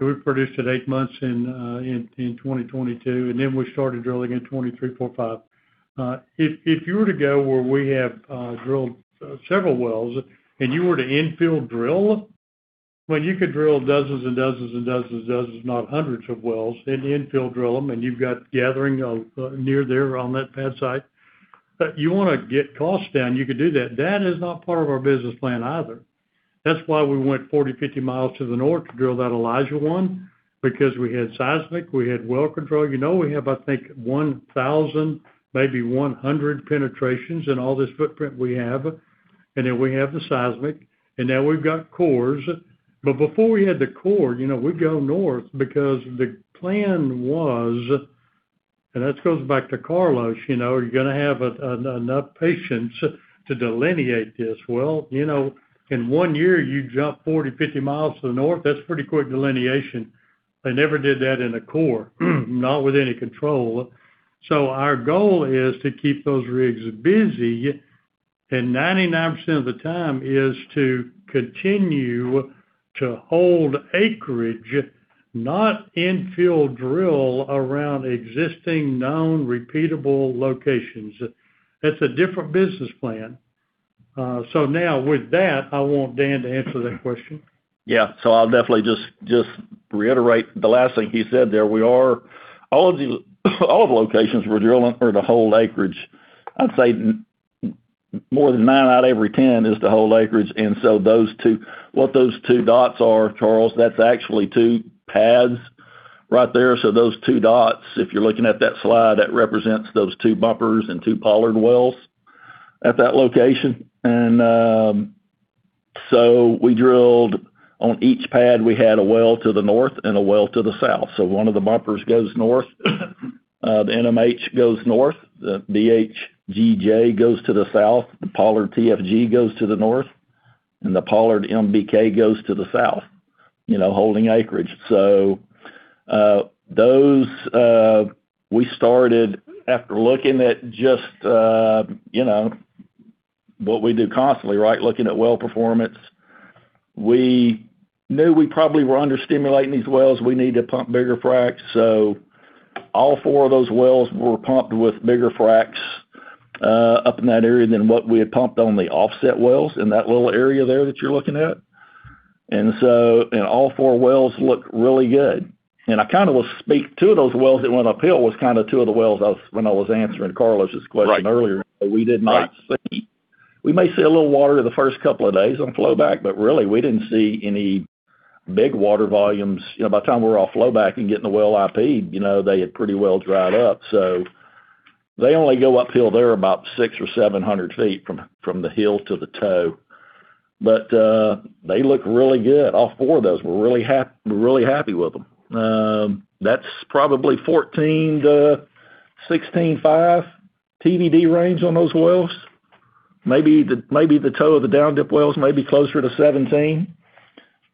we produced it eight months in 2022, and then we started drilling in 2023, 2024, 2025. If you were to go where we have drilled several wells and you were to infill drill, well, you could drill dozens and dozens and dozens and dozens, if not hundreds of wells and infill drill them, and you've got gathering of near there on that pad site. You wanna get costs down, you could do that. That is not part of our business plan either. That's why we went 40 mi, 50 mi to the north to drill that Elijah 1, because we had seismic, we had well control. You know, we have 1,000, maybe 100 penetrations in all this footprint we have. Then we have the seismic, and now we've got cores. Before we had the core, you know, we'd go north because the plan was, that goes back to Carlos, you know, are you gonna have enough patience to delineate this? Well, you know, in one year, you jump 40 mi, 50 mi to the north, that's pretty quick delineation. They never did that in a core, not with any control. Our goal is to keep those rigs busy, and 99% of the time is to continue to hold acreage, not infill drill around existing known repeatable locations. That's a different business plan. Now with that, I want Dan to answer that question. I'll definitely just reiterate the last thing he said there. All of the locations we're drilling are to hold acreage. I'd say more than nine out of every 10 is to hold acreage. Those two dots are, Charles, that's actually two pads right there. Those two dots, if you're looking at that slide, that represents those two Bumpurs and two Pollard wells at that location. We drilled on each pad, we had a well to the north and a well to the south. One of the Bumpurs goes north, the NMH goes north, the BHGJ goes to the south, the Pollard TFG goes to the north, and the Pollard MBK goes to the south, you know, holding acreage. Those, we started after looking at just, you know, what we do constantly, right? Looking at well performance. We knew we probably were under-stimulating these wells. We need to pump bigger fracs. All four of those wells were pumped with bigger fracs up in that area than what we had pumped on the offset wells in that little area there that you're looking at. All four wells look really good. I kinda will speak, two of those wells that went uphill was kinda two of the wells I was when I was answering Carlos's question earlier. Right. We may see a little water the first two days on flowback, really, we didn't see any big water volumes. You know, by the time we were off flowback and getting the well IP'd, you know, they had pretty well dried up. They only go uphill there about 600 ft or 700 ft from the hill to the toe. They look really good. All four of those. We're really happy with them. That's probably 14 to 16,500 TVD range on those wells. Maybe the toe of the down dip wells may be closer to 17,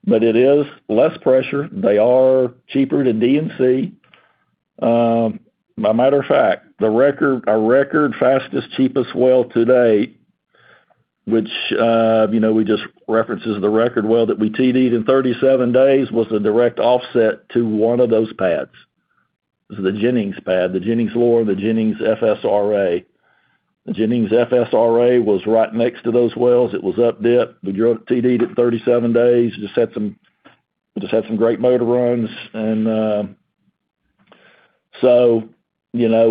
it is less pressure. They are cheaper to D&C. Matter of fact, the record, our record fastest, cheapest well to date, which, you know, we just references the record well that we TD'd in 37 days, was the direct offset to one of those pads. It was the Jennings pad, the Jennings Lower, the Jennings FSRA. The Jennings FSRA was right next to those wells. It was up dip. TD'd at 37 days. Just had some great motor runs. You know,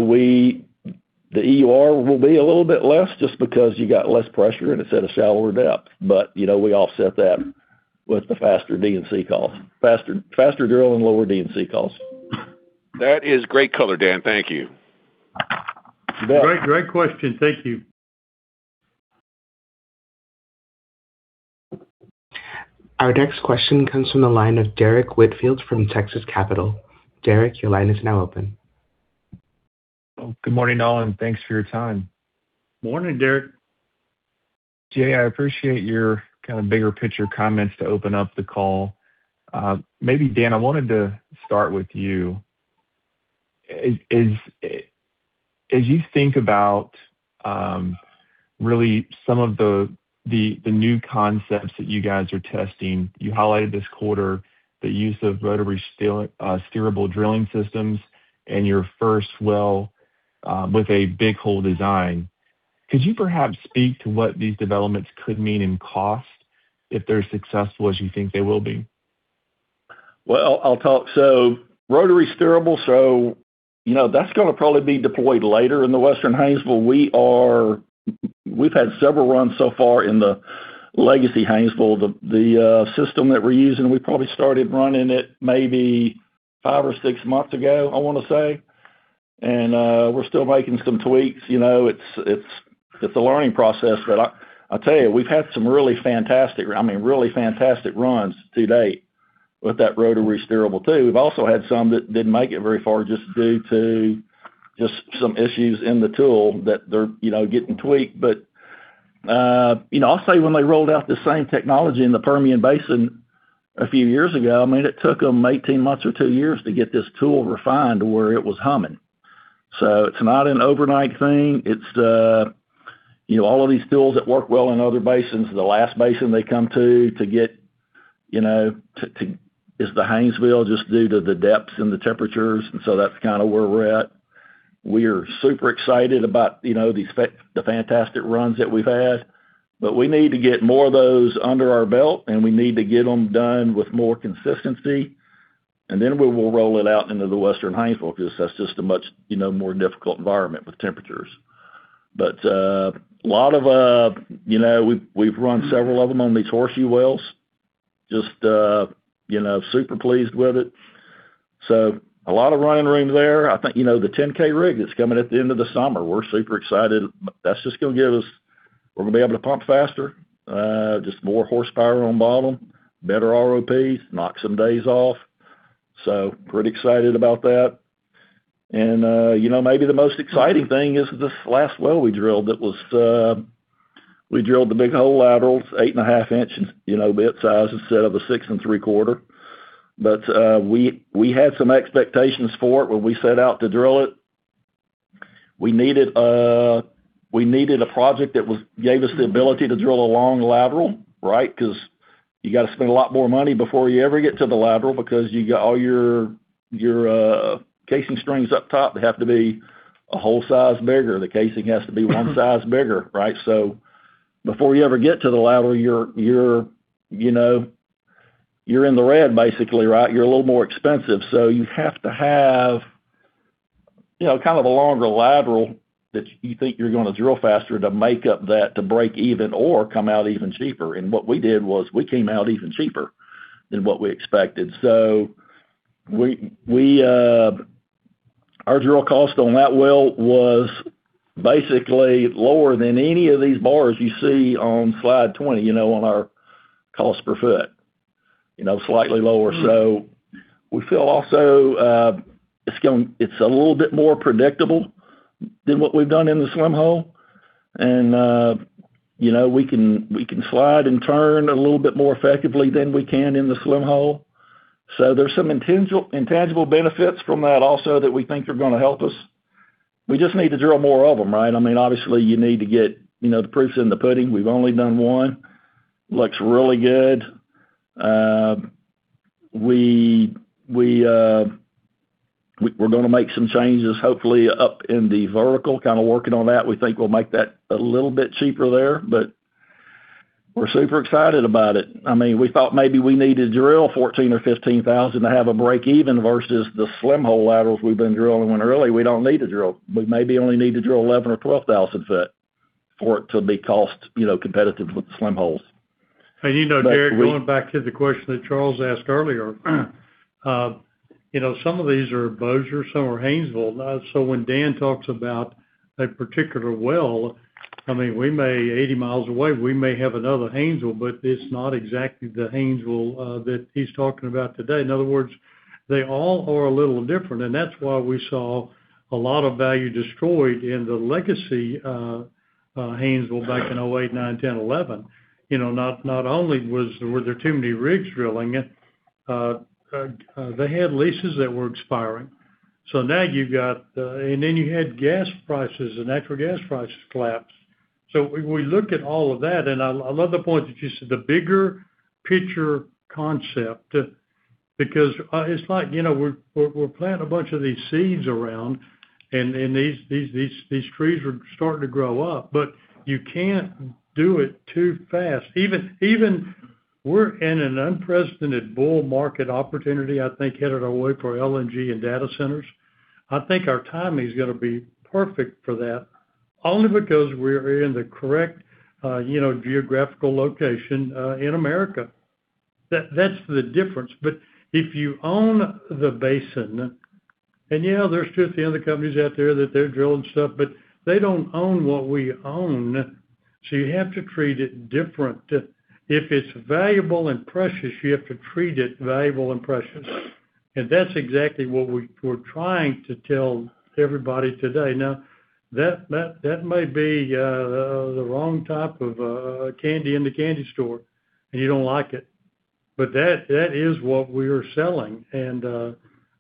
the EUR will be a little bit less just because you got less pressure and it's at a shallower depth. You know, we offset that with the faster D&C costs. Faster drill and lower D&C costs. That is great color, Dan. Thank you. Great, great question. Thank you. Our next question comes from the line of Derrick Whitfield from Texas Capital. Derrick, your line is now open. Good morning, all, and thanks for your time. Morning, Derrick. Jay, I appreciate your kind of bigger picture comments to open up the call. Maybe Dan, I wanted to start with you. As you think about really some of the new concepts that you guys are testing, you highlighted this quarter the use of rotary steerable drilling systems and your first well with a big hole design. Could you perhaps speak to what these developments could mean in cost if they're successful as you think they will be? Well, I'll talk. Rotary steerable, so you know, that's gonna probably be deployed later in the Western Haynesville. We've had several runs so far in the legacy Haynesville. The system that we're using, we probably started running it maybe five or six months ago, I wanna say. We're still making some tweaks. You know, it's a learning process. I tell you, we've had some really fantastic, I mean, really fantastic runs to date with that rotary steerable too. We've also had some that didn't make it very far just due to just some issues in the tool that they're, you know, getting tweaked. You know, I'll say when they rolled out the same technology in the Permian Basin a few years ago, I mean, it took them 18 months or two years to get this tool refined to where it was humming. It's not an overnight thing. It's, you know, all of these tools that work well in other basins, the last basin they come to get, you know, to is the Haynesville, just due to the depths and the temperatures. That's kinda where we're at. We're super excited about, you know, the fantastic runs that we've had. We need to get more of those under our belt, and we need to get them done with more consistency. Then we will roll it out into the Western Haynesville because that's just a much, you know, more difficult environment with temperatures. A lot of, you know, we've run several of them on these Horseshoe wells. Just, you know, super pleased with it. A lot of running room there. I think, you know, the 10,000 rig that's coming at the end of the summer, we're super excited. We're gonna be able to pump faster, just more horsepower on bottom, better ROP, knock some days off, pretty excited about that. You know, maybe the most exciting thing is this last well we drilled that was, we drilled the big hole laterals, 8.5 in, you know, bit size instead of a 6.75 in. We, we had some expectations for it when we set out to drill it. We needed a project that gave us the ability to drill a long lateral, right? You gotta spend a lot more money before you ever get to the lateral because you got all your casing strings up top. They have to be a whole size bigger. The casing has to be one size bigger, right? Before you ever get to the lateral, you're, you know, you're in the red basically, right? You're a little more expensive. You have to have, you know, kind of a longer lateral that you think you're gonna drill faster to make up that to break even or come out even cheaper. What we did was we came out even cheaper than what we expected. Our drill cost on that well was basically lower than any of these bars you see on slide 20, you know, on our cost per foot. You know, slightly lower. We feel also, it's a little bit more predictable than what we've done in the slim hole. You know, we can slide and turn a little bit more effectively than we can in the slim hole. There's some intangible benefits from that also that we think are gonna help us. We just need to drill more of them, right? I mean, obviously, you need to get, you know, the proofs in the pudding. We've only done one. Looks really good. We're gonna make some changes hopefully up in the vertical, kinda working on that. We think we'll make that a little bit cheaper there, but we're super excited about it. I mean, we thought maybe we needed to drill 14,000 or 15,000 to have a break even versus the slim hole laterals we've been drilling when really we don't need to drill. We maybe only need to drill 11,000 ft or 12,000 ft for it to be cost, you know, competitive with the slim holes. You know, Derrick, going back to the question that Charles Meade asked earlier, you know, some of these are Bossier, some are Haynesville. When Dan talks about a particular well, I mean, we may 80 mi away, we may have another Haynesville, but it's not exactly the Haynesville that he's talking about today. In other words, they all are a little different, and that's why we saw a lot of value destroyed in the legacy Haynesville back in 2008, 2009, 2010, 2011. You know, not only were there too many rigs drilling it, they had leases that were expiring. Then you had gas prices, the natural gas prices collapsed. We look at all of that, and I love the point that you said, the bigger picture concept, because it's like, you know, we're planting a bunch of these seeds around and these trees are starting to grow up. You can't do it too fast. Even we're in an unprecedented bull market opportunity, I think, headed our way for LNG and data centers. I think our timing is gonna be perfect for that, only because we're in the correct, you know, geographical location in America. That's the difference. If you own the basin, and yeah, there's 50 other companies out there that they're drilling stuff, but they don't own what we own. You have to treat it different. If it's valuable and precious, you have to treat it valuable and precious. And that's exactly what we're trying to tell everybody today. That may be the wrong type of candy in the candy store and you don't like it, but that is what we are selling. I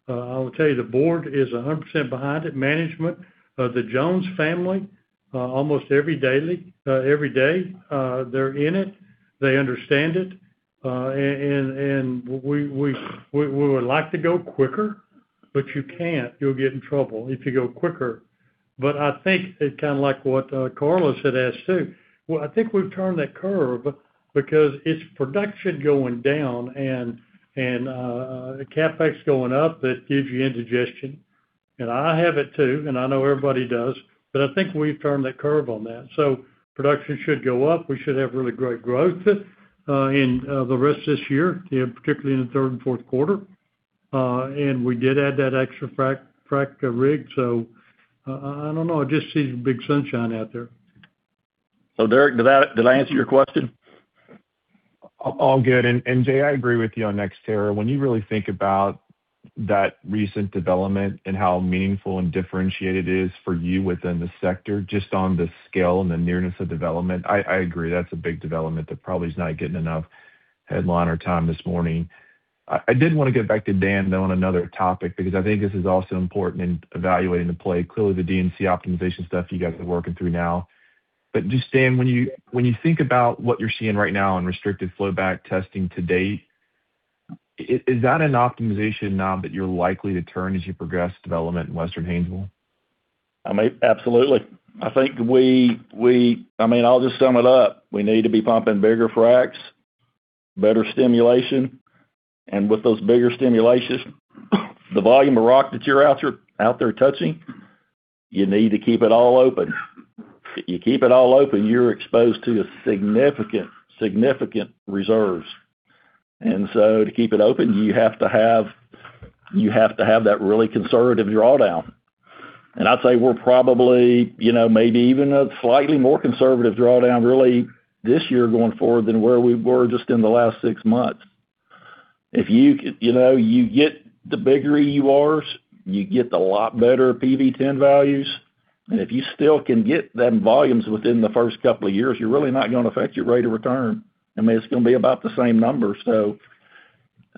will tell you, the board is 100% behind it, management. The Jones family, almost every day, they're in it, they understand it. We would like to go quicker, but you can't. You'll get in trouble if you go quicker. I think it's kind of like what Carlos had asked too. I think we've turned that curve because it's production going down and CapEx going up that gives you indigestion. I have it too, and I know everybody does. I think we've turned that curve on that. Production should go up. We should have really great growth in the rest of this year, you know, particularly in the third and fourth quarter. We did add that extra frac rig. I don't know, I just see big sunshine out there. Derrick, did I answer your question? All good. Jay, I agree with you on NextEra. When you really think about that recent development and how meaningful and differentiated it is for you within the sector, just on the scale and the nearness of development, I agree that's a big development that probably is not getting enough headline or time this morning. I did wanna get back to Dan, though, on another topic because I think this is also important in evaluating the play. Clearly, the D&C optimization stuff you guys are working through now. Just, Dan, when you think about what you're seeing right now in restricted flowback testing to date, is that an optimization knob that you're likely to turn as you progress development in Western Haynesville? I mean, absolutely. I think we I mean, I'll just sum it up. We need to be pumping bigger fracs, better stimulation. With those bigger stimulations, the volume of rock that you're out there touching, you need to keep it all open. If you keep it all open, you're exposed to significant reserves. To keep it open, you have to have that really conservative drawdown. I'd say we're probably, you know, maybe even a slightly more conservative drawdown really this year going forward than where we were just in the last six months. You know, you get the bigger EURs, you get a lot better PV-10 values. If you still can get them volumes within the first two years, you're really not gonna affect your rate of return. I mean, it's gonna be about the same number.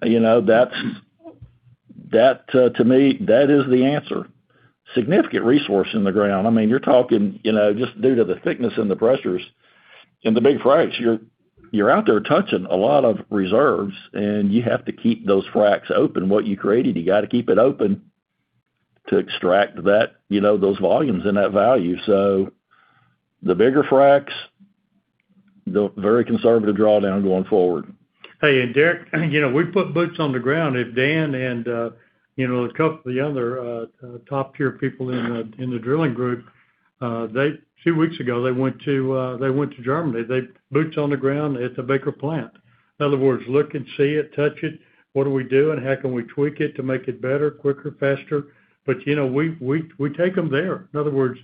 You know, to me, that is the answer. Significant resource in the ground. I mean, you're talking, you know, just due to the thickness and the pressures in the big fracs, you're out there touching a lot of reserves, and you have to keep those fracs open. What you created, you gotta keep it open to extract that, you know, those volumes and that value. The bigger fracs, the very conservative drawdown going forward. Hey, Derrick, you know, we put boots on the ground. If Dan and, you know, a couple of the other top tier people in the drilling group, two weeks ago, they went to Germany. They boots on the ground at the Baker plant. In other words, look and see it, touch it. What do we do, how can we tweak it to make it better, quicker, faster? You know, we take them there. In other words,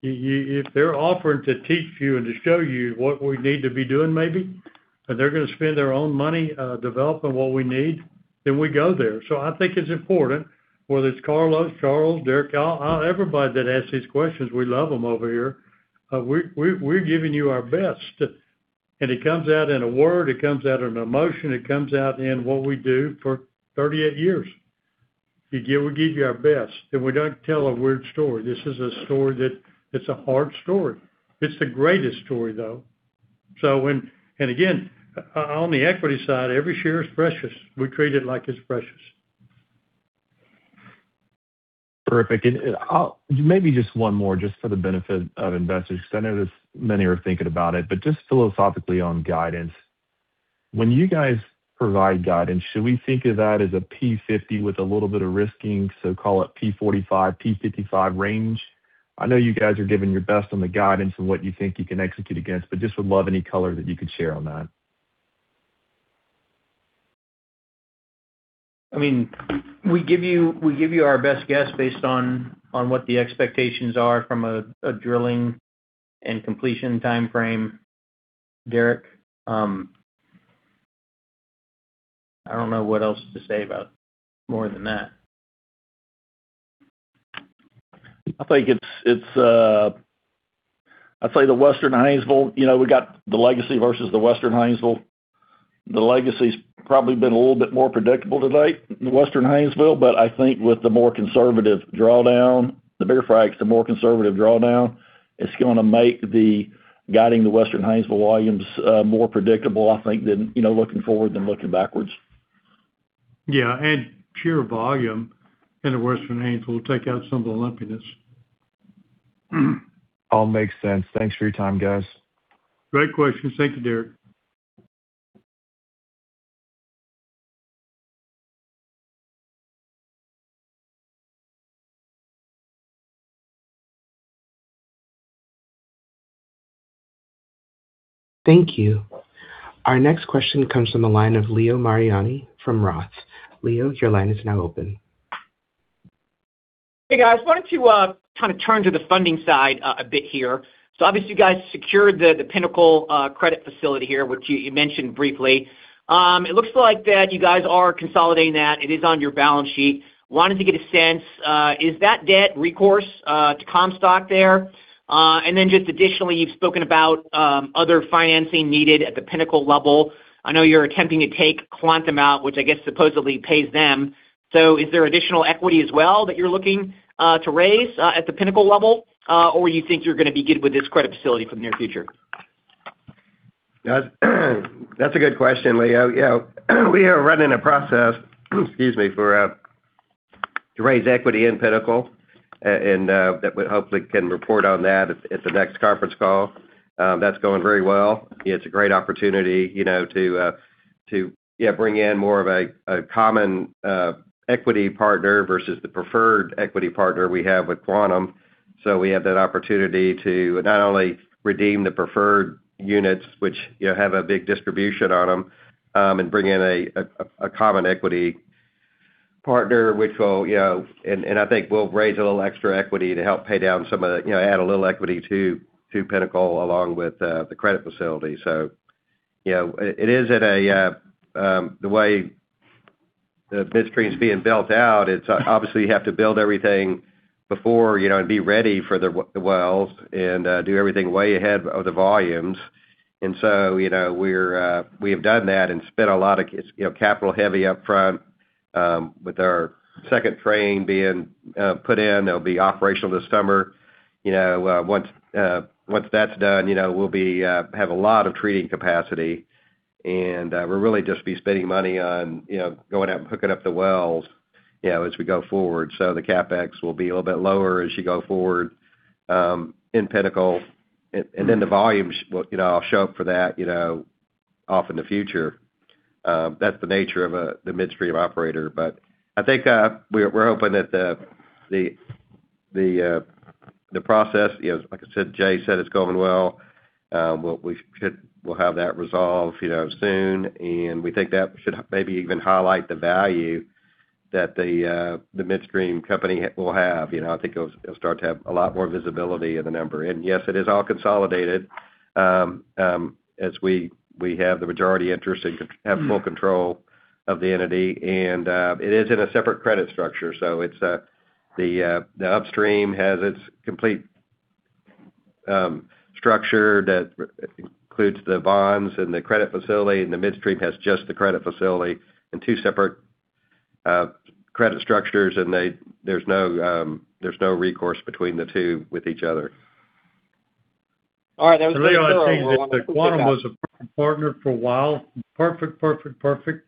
you if they're offering to teach you and to show you what we need to be doing maybe, and they're gonna spend their own money developing what we need, then we go there. I think it's important, whether it's Carlos, Charles, Derrick, everybody that asks these questions, we love them over here. We've given you our best. It comes out in a word, it comes out in an emotion, it comes out in what we do for 38 years. We give you our best, and we don't tell a weird story. This is a story that it's a hard story. It's the greatest story, though. Again, on the equity side, every share is precious. We treat it like it's precious. Terrific. Maybe just one more just for the benefit of investors, because I know many are thinking about it. Just philosophically on guidance, when you guys provide guidance, should we think of that as a P 50 with a little bit of risking, so call it P 45, P 55 range? I know you guys are giving your best on the guidance on what you think you can execute against, but just would love any color that you could share on that. I mean, we give you our best guess based on what the expectations are from a drilling and completion timeframe, Derrick. I don't know what else to say about more than that. I think it's, I'd say the Western Haynesville, you know, we got the Legacy versus the Western Haynesville. The Legacy's probably been a little bit more predictable to date than Western Haynesville. I think with the more conservative drawdown, the bigger fracs, the more conservative drawdown, it's gonna make the guiding the Western Haynesville volumes, more predictable, I think, than, you know, looking forward than looking backwards. Yeah, sheer volume in the Western Haynesville will take out some of the lumpiness. All makes sense. Thanks for your time, guys. Great questions. Thank you, Derrick. Thank you. Our next question comes from the line of Leo Mariani from Roth. Leo, your line is now open. Hey guys, wanted to, kind of turn to the funding side a bit here. Obviously you guys secured the Pinnacle credit facility here, which you mentioned briefly. It looks like that you guys are consolidating that. It is on your balance sheet. Wanted to get a sense, is that debt recourse to Comstock there? Just additionally, you've spoken about other financing needed at the Pinnacle level. I know you're attempting to take Quantum out, which I guess supposedly pays them. Is there additional equity as well that you're looking to raise at the Pinnacle level? You think you're gonna be good with this credit facility for the near future? That's a good question, Leo. You know, we are running a process, excuse me, to raise equity in Pinnacle. That we hopefully can report on that at the next conference call. That's going very well. It's a great opportunity, you know, to bring in more of a common equity partner versus the preferred equity partner we have with Quantum. We have that opportunity to not only redeem the preferred units, which, you know, have a big distribution on them, and bring in a common equity partner, which will, you know. I think we'll raise a little extra equity to help pay down some of the, you know, add a little equity to Pinnacle along with the credit facility. You know, it is at a The way the midstream's being built out, it's obviously you have to build everything before, you know, and be ready for the wells and do everything way ahead of the volumes. You know, we're we have done that and spent a lot of it's, you know, capital heavy up front with our second train being put in. It'll be operational this summer. You know, once once that's done, you know, we'll be have a lot of treating capacity, and we'll really just be spending money on, you know, going out and hooking up the wells, you know, as we go forward. The CapEx will be a little bit lower as you go forward in Pinnacle. Then the volumes will, you know, show up for that, you know, off in the future. That's the nature of the midstream operator. I think we're hoping that the process, you know, like I said, Jay said, it's going well. We'll have that resolved, you know, soon, and we think that should maybe even highlight the value that the midstream company will have. You know, I think it'll start to have a lot more visibility in the number. Yes, it is all consolidated as we have the majority interest and have full control of the entity. It is in a separate credit structure. It's the upstream has its complete structure that includes the bonds and the credit facility, and the midstream has just the credit facility in two separate credit structures. There's no recourse between the two with each other. All right. That was very thorough. Leo, I'd say that the Quantum was a partner for a while. Perfect. The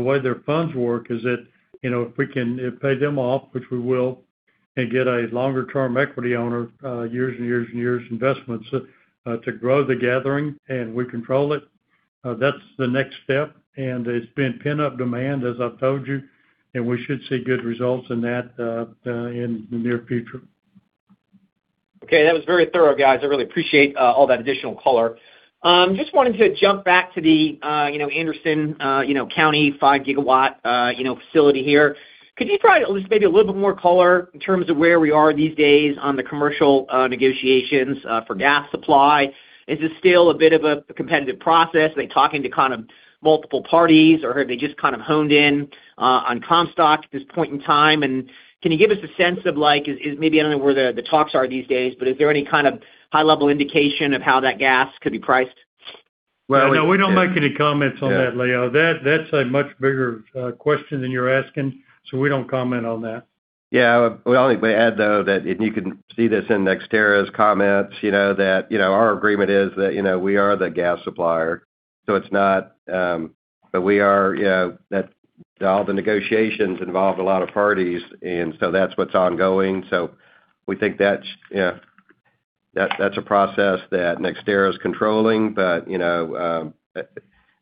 way their funds work is that, you know, if we can pay them off, which we will, and get a longer term equity owner, years and years and years investments, to grow the gathering and we control it, that's the next step. It's been pent up demand, as I've told you, and we should see good results in that in the near future. Okay. That was very thorough, guys. I really appreciate all that additional color. Just wanted to jump back to the, you know, Anderson, you know, County 5 GW, you know, facility here. Could you provide at least maybe a little bit more color in terms of where we are these days on the commercial, negotiations, for gas supply? Is this still a bit of a competitive process? Are they talking to kind of multiple parties, or have they just kind of honed in on Comstock at this point in time? Can you give us a sense of like, is maybe, I don't know where the talks are these days, but is there any kind of high level indication of how that gas could be priced? Well- No, we don't make any comments on that, Leo. Yeah. That's a much bigger question than you're asking. We don't comment on that. Yeah. We add though that, and you can see this in NextEra's comments, you know, that, you know, our agreement is that, you know, we are the gas supplier, so it's not. We are, you know, that all the negotiations involve a lot of parties. That's what's ongoing. We think that's, you know, that's a process that NextEra is controlling, you know,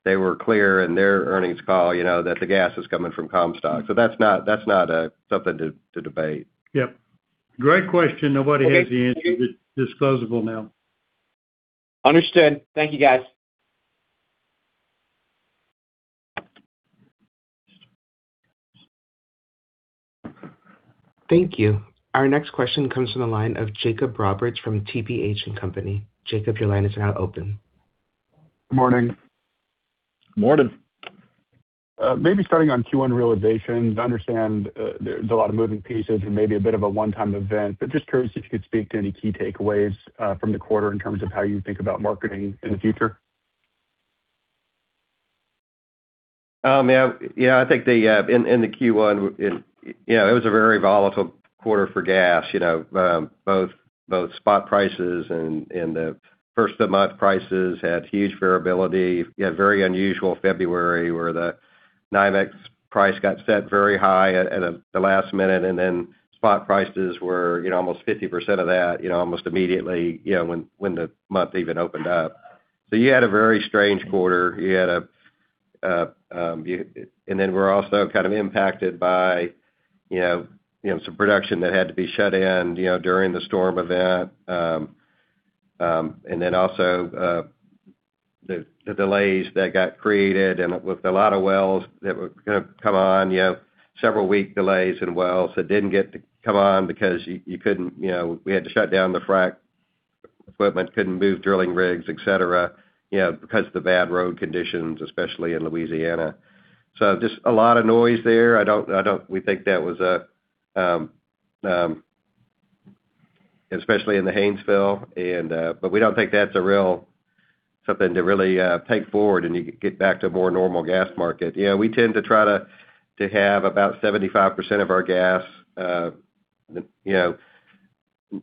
they were clear in their earnings call, you know, that the gas is coming from Comstock. That's not something to debate. Yep. Great question. Nobody has the answer that's disclosable now. Understood. Thank you, guys. Thank you. Our next question comes from the line of Jacob Roberts from TPH & Co, Jacob, your line is now open. Morning. Morning. Maybe starting on Q1 realization. I understand there's a lot of moving pieces and maybe a bit of a one-time event, but just curious if you could speak to any key takeaways from the quarter in terms of how you think about marketing in the future. Yeah, yeah, I think the in the Q1, it was a very volatile quarter for gas. Both spot prices and the first-of-the-month prices had huge variability. You had very unusual February, where the NYMEX price got set very high at the last minute, and then spot prices were almost 50% of that almost immediately when the month even opened up. You had a very strange quarter. We're also kind of impacted by some production that had to be shut in during the storm event. The delays that got created, and with a lot of wells that were going to come on, you have several week delays in wells that didn't get to come on because you couldn't, you know, we had to shut down the frack equipment, couldn't move drilling rigs, et cetera, you know, because of the bad road conditions, especially in Louisiana. Just a lot of noise there. We think that was especially in the Haynesville. We don't think that's a real something to really take forward. You get back to a more normal gas market. You know, we tend to try to have about 75% of our gas, you know,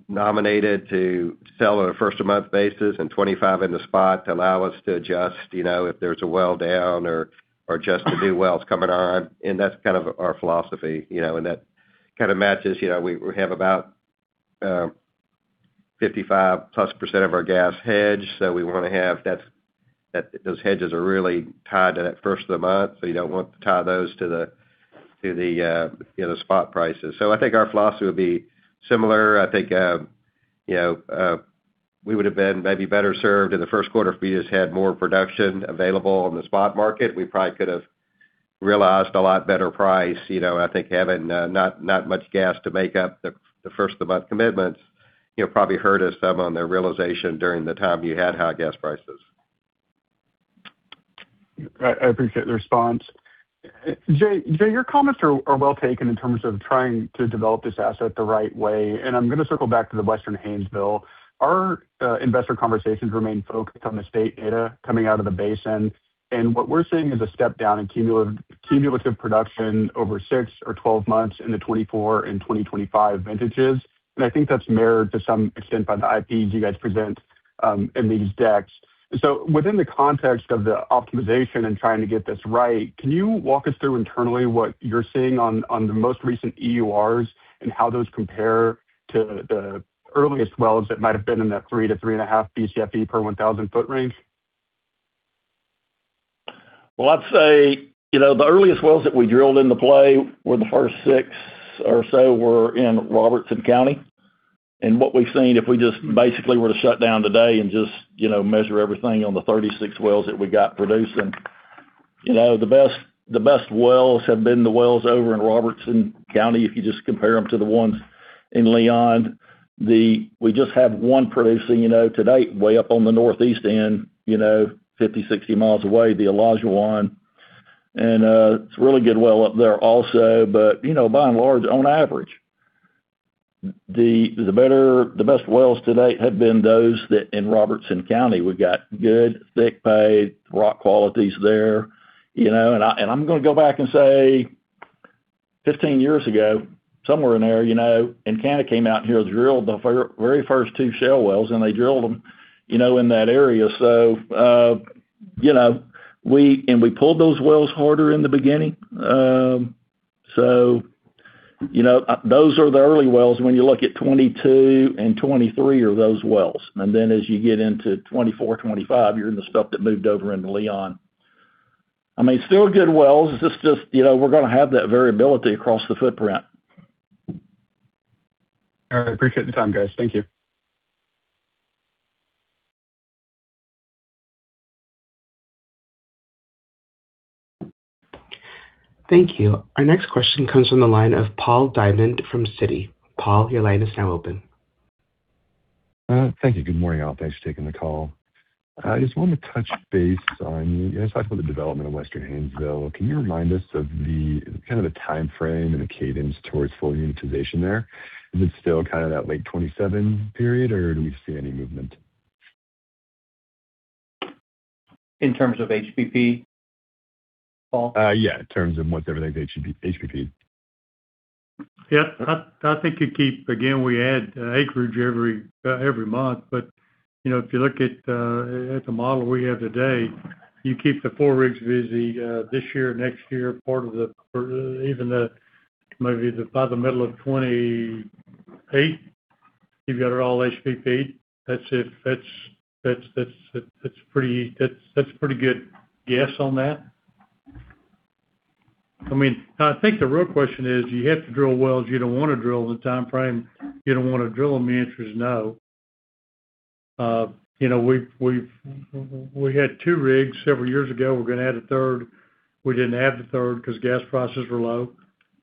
nominated to sell on a first-of-the-month basis and 25 in the spot to allow us to adjust, you know, if there's a well down or adjust to new wells coming on. That's kind of our philosophy, you know. That kind of matches, you know, we have about 55+% of our gas hedged, so we wanna have those hedges are really tied to that first of the month, so you don't want to tie those to the, you know, spot prices. I think our philosophy would be similar. I think, you know, we would've been maybe better served in the first quarter if we just had more production available on the spot market. We probably could've realized a lot better price. You know, I think having, not much gas to make up the first-of-the-month commitments, you know, probably hurt us some on the realization during the time you had high gas prices. I appreciate the response. Jay, your comments are well taken in terms of trying to develop this asset the right way, and I'm going to circle back to the Western Haynesville. Our investor conversations remain focused on the state data coming out of the basin, and what we're seeing is a step down in cumulative production over six or 12 months in the 2024 and 2025 vintages. I think that's mirrored to some extent by the IPs you guys present in these decks. Within the context of the optimization and trying to get this right, can you walk us through internally what you're seeing on the most recent EURs and how those compare to the earliest wells that might have been in that 3 BCFE to 3.5 BCFE per 1,000 ft range? Well, I'd say, you know, the earliest wells that we drilled in the play were the first six or so were in Robertson County. What we've seen, if we just basically were to shut down today and just, you know, measure everything on the 36 wells that we got producing, you know, the best wells have been the wells over in Robertson County, if you just compare them to the ones in Leon. We just have one producing, you know, to date, way up on the northeast end, you know, 50 mi, 60 mi away, the Elijah 1. It's a really good well up there also. You know, by and large, on average, the best wells to date have been those that in Robertson County. We've got good, thick pay, rock qualities there, you know. I'm gonna go back and say 15 years ago, somewhere in there, you know, Encana came out here and drilled the very first two shale wells, and they drilled them, you know, in that area. You know, we pulled those wells harder in the beginning. You know, those are the early wells. When you look at 2022 and 2023 are those wells. As you get into 2024, 2025, you're in the stuff that moved over into Leon. I mean, still good wells. It's just, you know, we're gonna have that variability across the footprint. All right. I appreciate the time, guys. Thank you. Thank you. Our next question comes from the line of Paul Diamond from Citi. Paul, your line is now open. Thank you. Good morning, all. Thanks for taking the call. I just wanted to touch base on, you guys talked about the development of Western Haynesville. Can you remind us of the, kind of the timeframe and the cadence towards full unitization there? Is it still kind of that late 2027 period, or do we see any movement? In terms of HBP, Paul? Yeah, in terms of whatever they HBP. Yeah. I think you keep. Again, we add acreage every month. You know, if you look at the model we have today, you keep the four rigs busy this year, next year, part of the, or even the, maybe the, by the middle of 2028, you've got it all HBP'd. That's if. That's a pretty good guess on that. I mean, I think the real question is, do you have to drill wells you don't wanna drill in the timeframe you don't wanna drill them? The answer is no. You know, we've had two rigs several years ago. We're gonna add a third. We didn't add the third 'cause gas prices were low.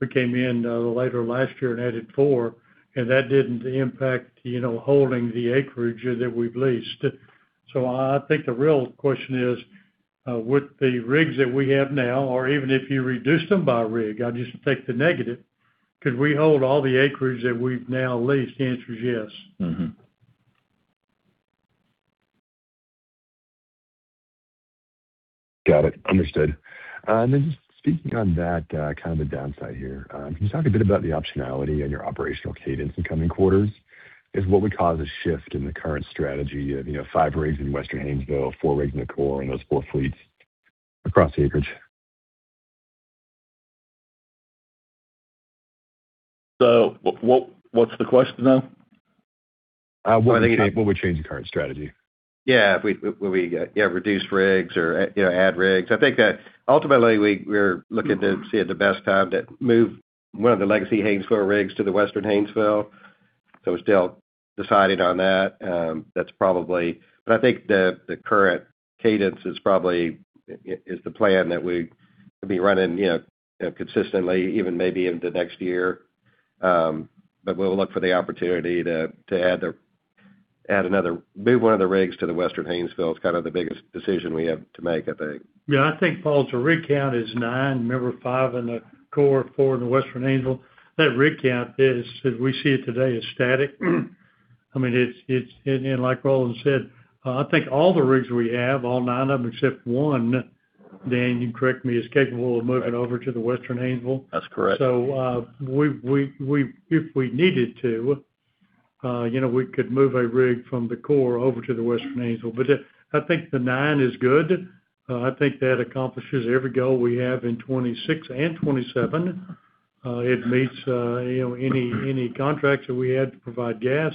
We came in later last year and added four, and that didn't impact, you know, holding the acreage that we've leased. I think the real question is with the rigs that we have now, or even if you reduce them by rig, I just take the negative, could we hold all the acreage that we've now leased? The answer is yes. Got it. Understood. Just speaking on that, kind of the downside here. Can you talk a bit about the optionality on your operational cadence in coming quarters? Is what would cause a shift in the current strategy of, you know, five rigs in Western Haynesville, four rigs in the core, and those four fleets across the acreage? What's the question, though? What would change the current strategy? Yeah. If we will we, yeah, reduce rigs or, you know, add rigs. I think that ultimately, we're looking to see the best time to move one of the legacy Haynesville rigs to the Western Haynesville. We're still deciding on that. That's probably I think the current cadence is probably the plan that we will be running, you know, consistently even maybe into next year. We'll look for the opportunity to add the Move one of the rigs to the Western Haynesville. It's kind of the biggest decision we have to make, I think. Yeah, I think, Paul, the rig count is nine. Remember five in the core, four in the Western Haynesville. That rig count is, as we see it today, is static. I mean, it's static. Like Roland said, I think all the rigs we have, all nine of them except one, Dan, you correct me, is capable of moving over to the Western Haynesville. That's correct. We if we needed to, you know, we could move a rig from the core over to the Western Haynesville. I think the nine is good. I think that accomplishes every goal we have in 2026 and 2027. It meets, you know, any contracts that we had to provide gas.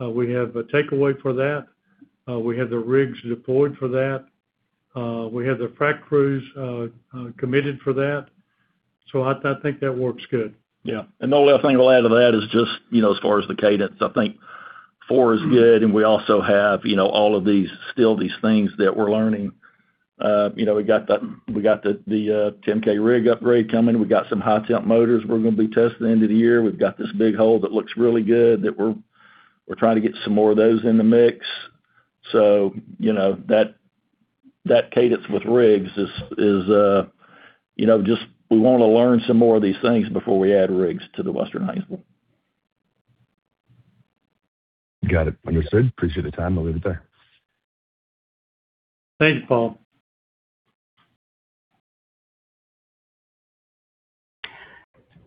We have a takeaway for that. We have the rigs deployed for that. We have the frac crews committed for that. I think that works good. Yeah. The only other thing I'll add to that is just, you know, as far as the cadence, I think four is good, and we also have, you know, all of these, still these things that we're learning. We got the 10,000 rig upgrade coming. We got some high temp motors we're gonna be testing end of the year. We've got this big hole that looks really good that we're trying to get some more of those in the mix. That cadence with rigs is just we wanna learn some more of these things before we add rigs to the Western Haynesville. Got it. Understood. Appreciate the time. I'll leave it there. Thank you, Paul.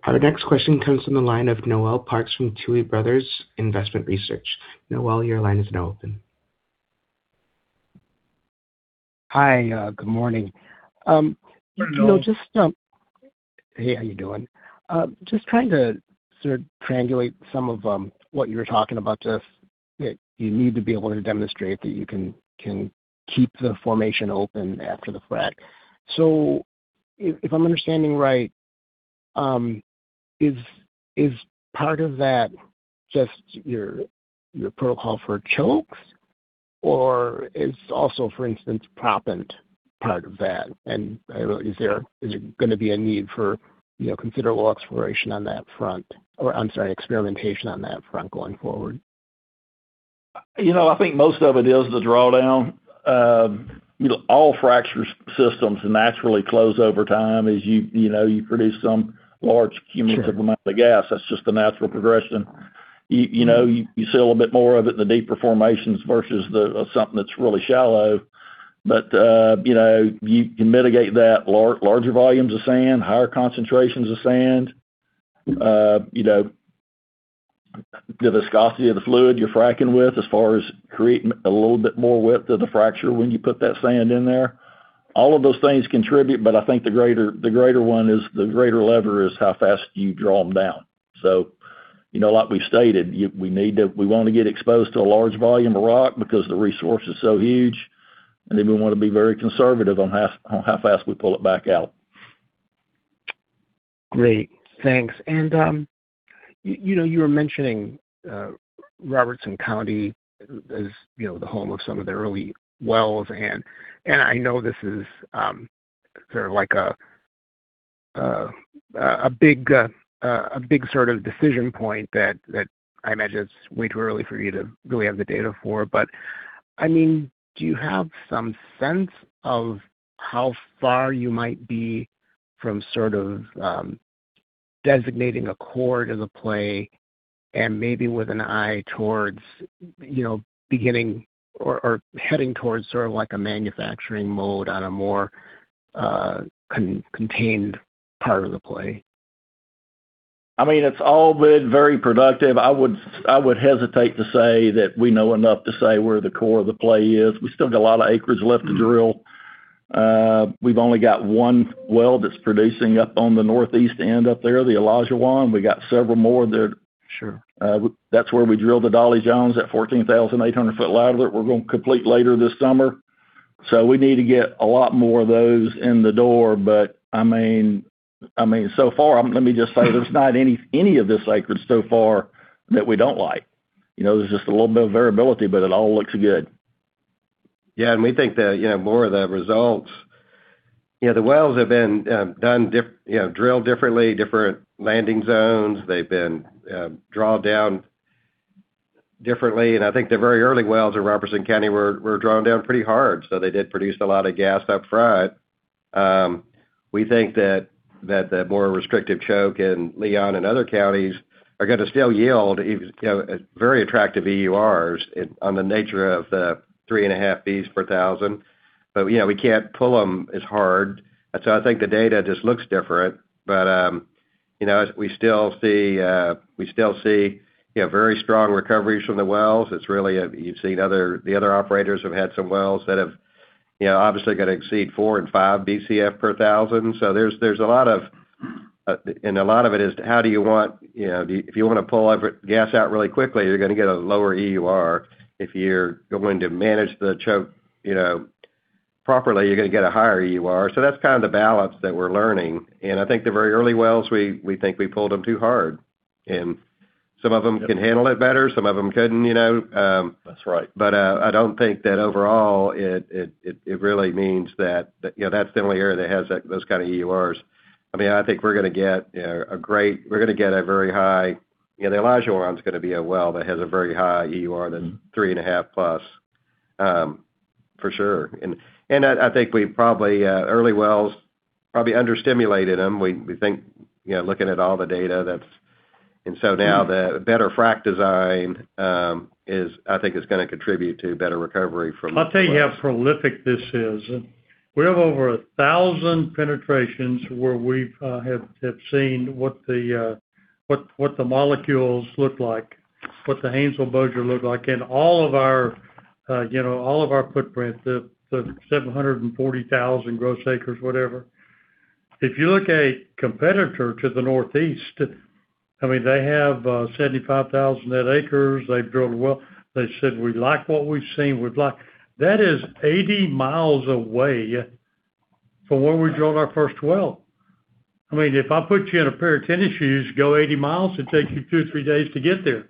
Our next question comes from the line of Noel Parks from Tuohy Brothers Investment Research. Noel, your line is now open. Hi, good morning. Hello, Noel. You know, just Hey, how you doing? Just trying to sort of triangulate some of what you were talking about just, you know, you need to be able to demonstrate that you can keep the formation open after the frac. If I'm understanding right, is part of that just your protocol for chokes, or is also, for instance, proppant part of that? Is there gonna be a need for, you know, considerable exploration on that front? Or, I'm sorry, experimentation on that front going forward? You know, I think most of it is the drawdown. You know, all fracture systems naturally close over time as you know, you produce some large. Sure. Amount of gas. That's just the natural progression. You know, you see a little bit more of it in the deeper formations versus something that's really shallow. You know, you can mitigate that, larger volumes of sand, higher concentrations of sand. You know, the viscosity of the fluid you're fracking with as far as creating a little bit more width of the fracture when you put that sand in there. All of those things contribute, I think the greater lever is how fast you draw them down. You know, like we've stated, we wanna get exposed to a large volume of rock because the resource is so huge, and then we wanna be very conservative on how fast we pull it back out. Great. Thanks. You know, you were mentioning Robertson County as, you know, the home of some of the early wells. I know this is sort of like a big sort of decision point that I imagine it's way too early for you to really have the data for. I mean, do you have some sense of how far you might be from sort of designating a core to the play and maybe with an eye towards, you know, beginning or heading towards sort of like a manufacturing mode on a more contained part of the play? I mean, it's all been very productive. I would hesitate to say that we know enough to say where the core of the play is. We still got a lot of acreage left to drill. We've only got one well that's producing up on the northeast end up there, the Elijah 1. We got several more there. Sure. That's where we drilled the Dolly Jones at 14,800 ft lateral we're gonna complete later this summer. We need to get a lot more of those in the door. So far, let me just say, there's not any of this acreage so far that we don't like. You know, there's just a little bit of variability, but it all looks good. Yeah. We think that, you know, more of the results, you know, the wells have been drilled differently, different landing zones. They've been drawn down differently. I think the very early wells in Robertson County were drawn down pretty hard, so they did produce a lot of gas up front. We think that the more restrictive choke in Leon and other counties are gonna still yield, you know, very attractive EURs on the nature of the 3.5 Bcf per thousand. You know, we can't pull them as hard. I think the data just looks different. You know, we still see, you know, very strong recoveries from the wells. It's really you've seen other, the other operators have had some wells that have, you know, obviously gonna exceed 4 Bcf and 5 Bcf per thousand. There's a lot of, and a lot of it is how do you want, you know, if you wanna pull every gas out really quickly, you're gonna get a lower EUR. If you're going to manage the choke, you know, properly, you're gonna get a higher EUR. That's kind of the balance that we're learning. I think the very early wells, we think we pulled them too hard. Some of them can handle it better, some of them couldn't, you know. That's right. I don't think that overall it really means that, you know, that's the only area that has that, those kind of EURs. I mean, I think we're gonna get, you know, a very high You know, the Elijah well is gonna be a well that has a very high EUR than 3.5+. For sure. I think we probably early wells probably under-stimulated them. We think, you know, looking at all the data that's. Now the better frack design, I think is gonna contribute to better recovery. I'll tell you how prolific this is. We have over 1,000 penetrations where we've seen what the molecules look like, what the Haynesville Bossier look like in all of our footprint, the 740,000 gross acres, whatever. If you look a competitor to the northeast, they have 75,000 net acres. They've drilled a well. They said, "We like what we've seen." That is 80 mi away from where we drilled our first well. If I put you in a pair of tennis shoes, go 80 mi, it takes you two, three days to get there.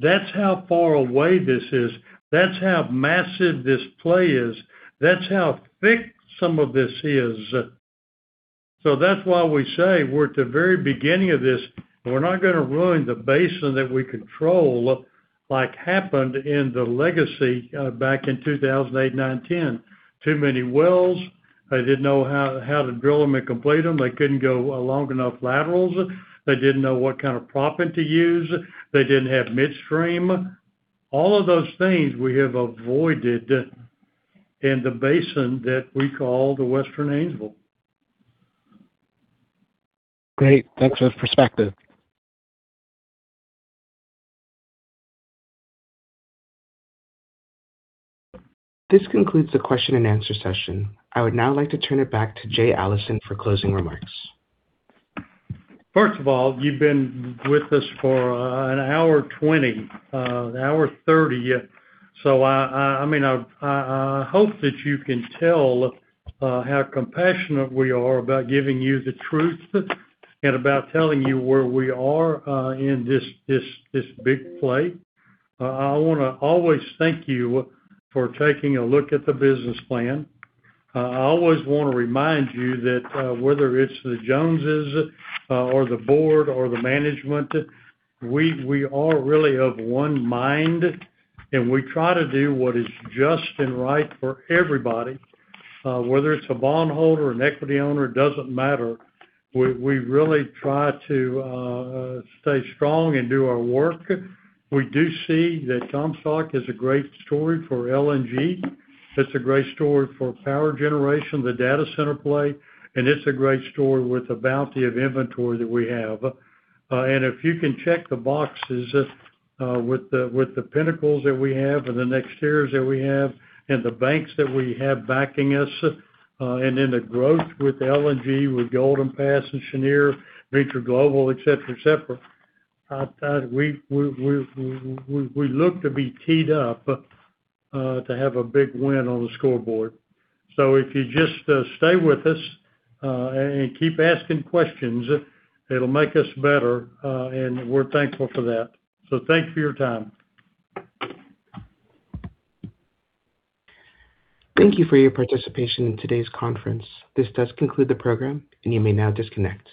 That's how far away this is. That's how massive this play is. That's how thick some of this is. That's why we say we're at the very beginning of this. We're not gonna ruin the basin that we control like happened in the Legacy, back in 2008, 2009, 2010. Too many wells. They didn't know how to drill them and complete them. They couldn't go long enough laterals. They didn't know what kind of proppant to use. They didn't have midstream. All of those things we have avoided in the basin that we call the Western Haynesville. Great. Thanks for the perspective. This concludes the question and answer session. I would now like to turn it back to Jay Allison for closing remarks. First of all, you've been with us for one hour and 20, one hour 30. I, I mean, I hope that you can tell how compassionate we are about giving you the truth and about telling you where we are in this big play. I wanna always thank you for taking a look at the business plan. I always wanna remind you that whether it's the Joneses or the board or the management, we all really have one mind, and we try to do what is just and right for everybody. Whether it's a bond holder, an equity owner, it doesn't matter. We, we really try to stay strong and do our work. We do see that Comstock is a great story for LNG. It's a great story for power generation, the data center play, and it's a great story with the bounty of inventory that we have. If you can check the boxes, with the pinnacles that we have and the next tiers that we have and the banks that we have backing us, and then the growth with LNG, with Golden Pass and Cheniere, Venture Global, et cetera, et cetera, we look to be teed up, to have a big win on the scoreboard. If you just stay with us, and keep asking questions, it'll make us better, and we're thankful for that. Thank you for your time. Thank you for your participation in today's conference. This does conclude the program, and you may now disconnect.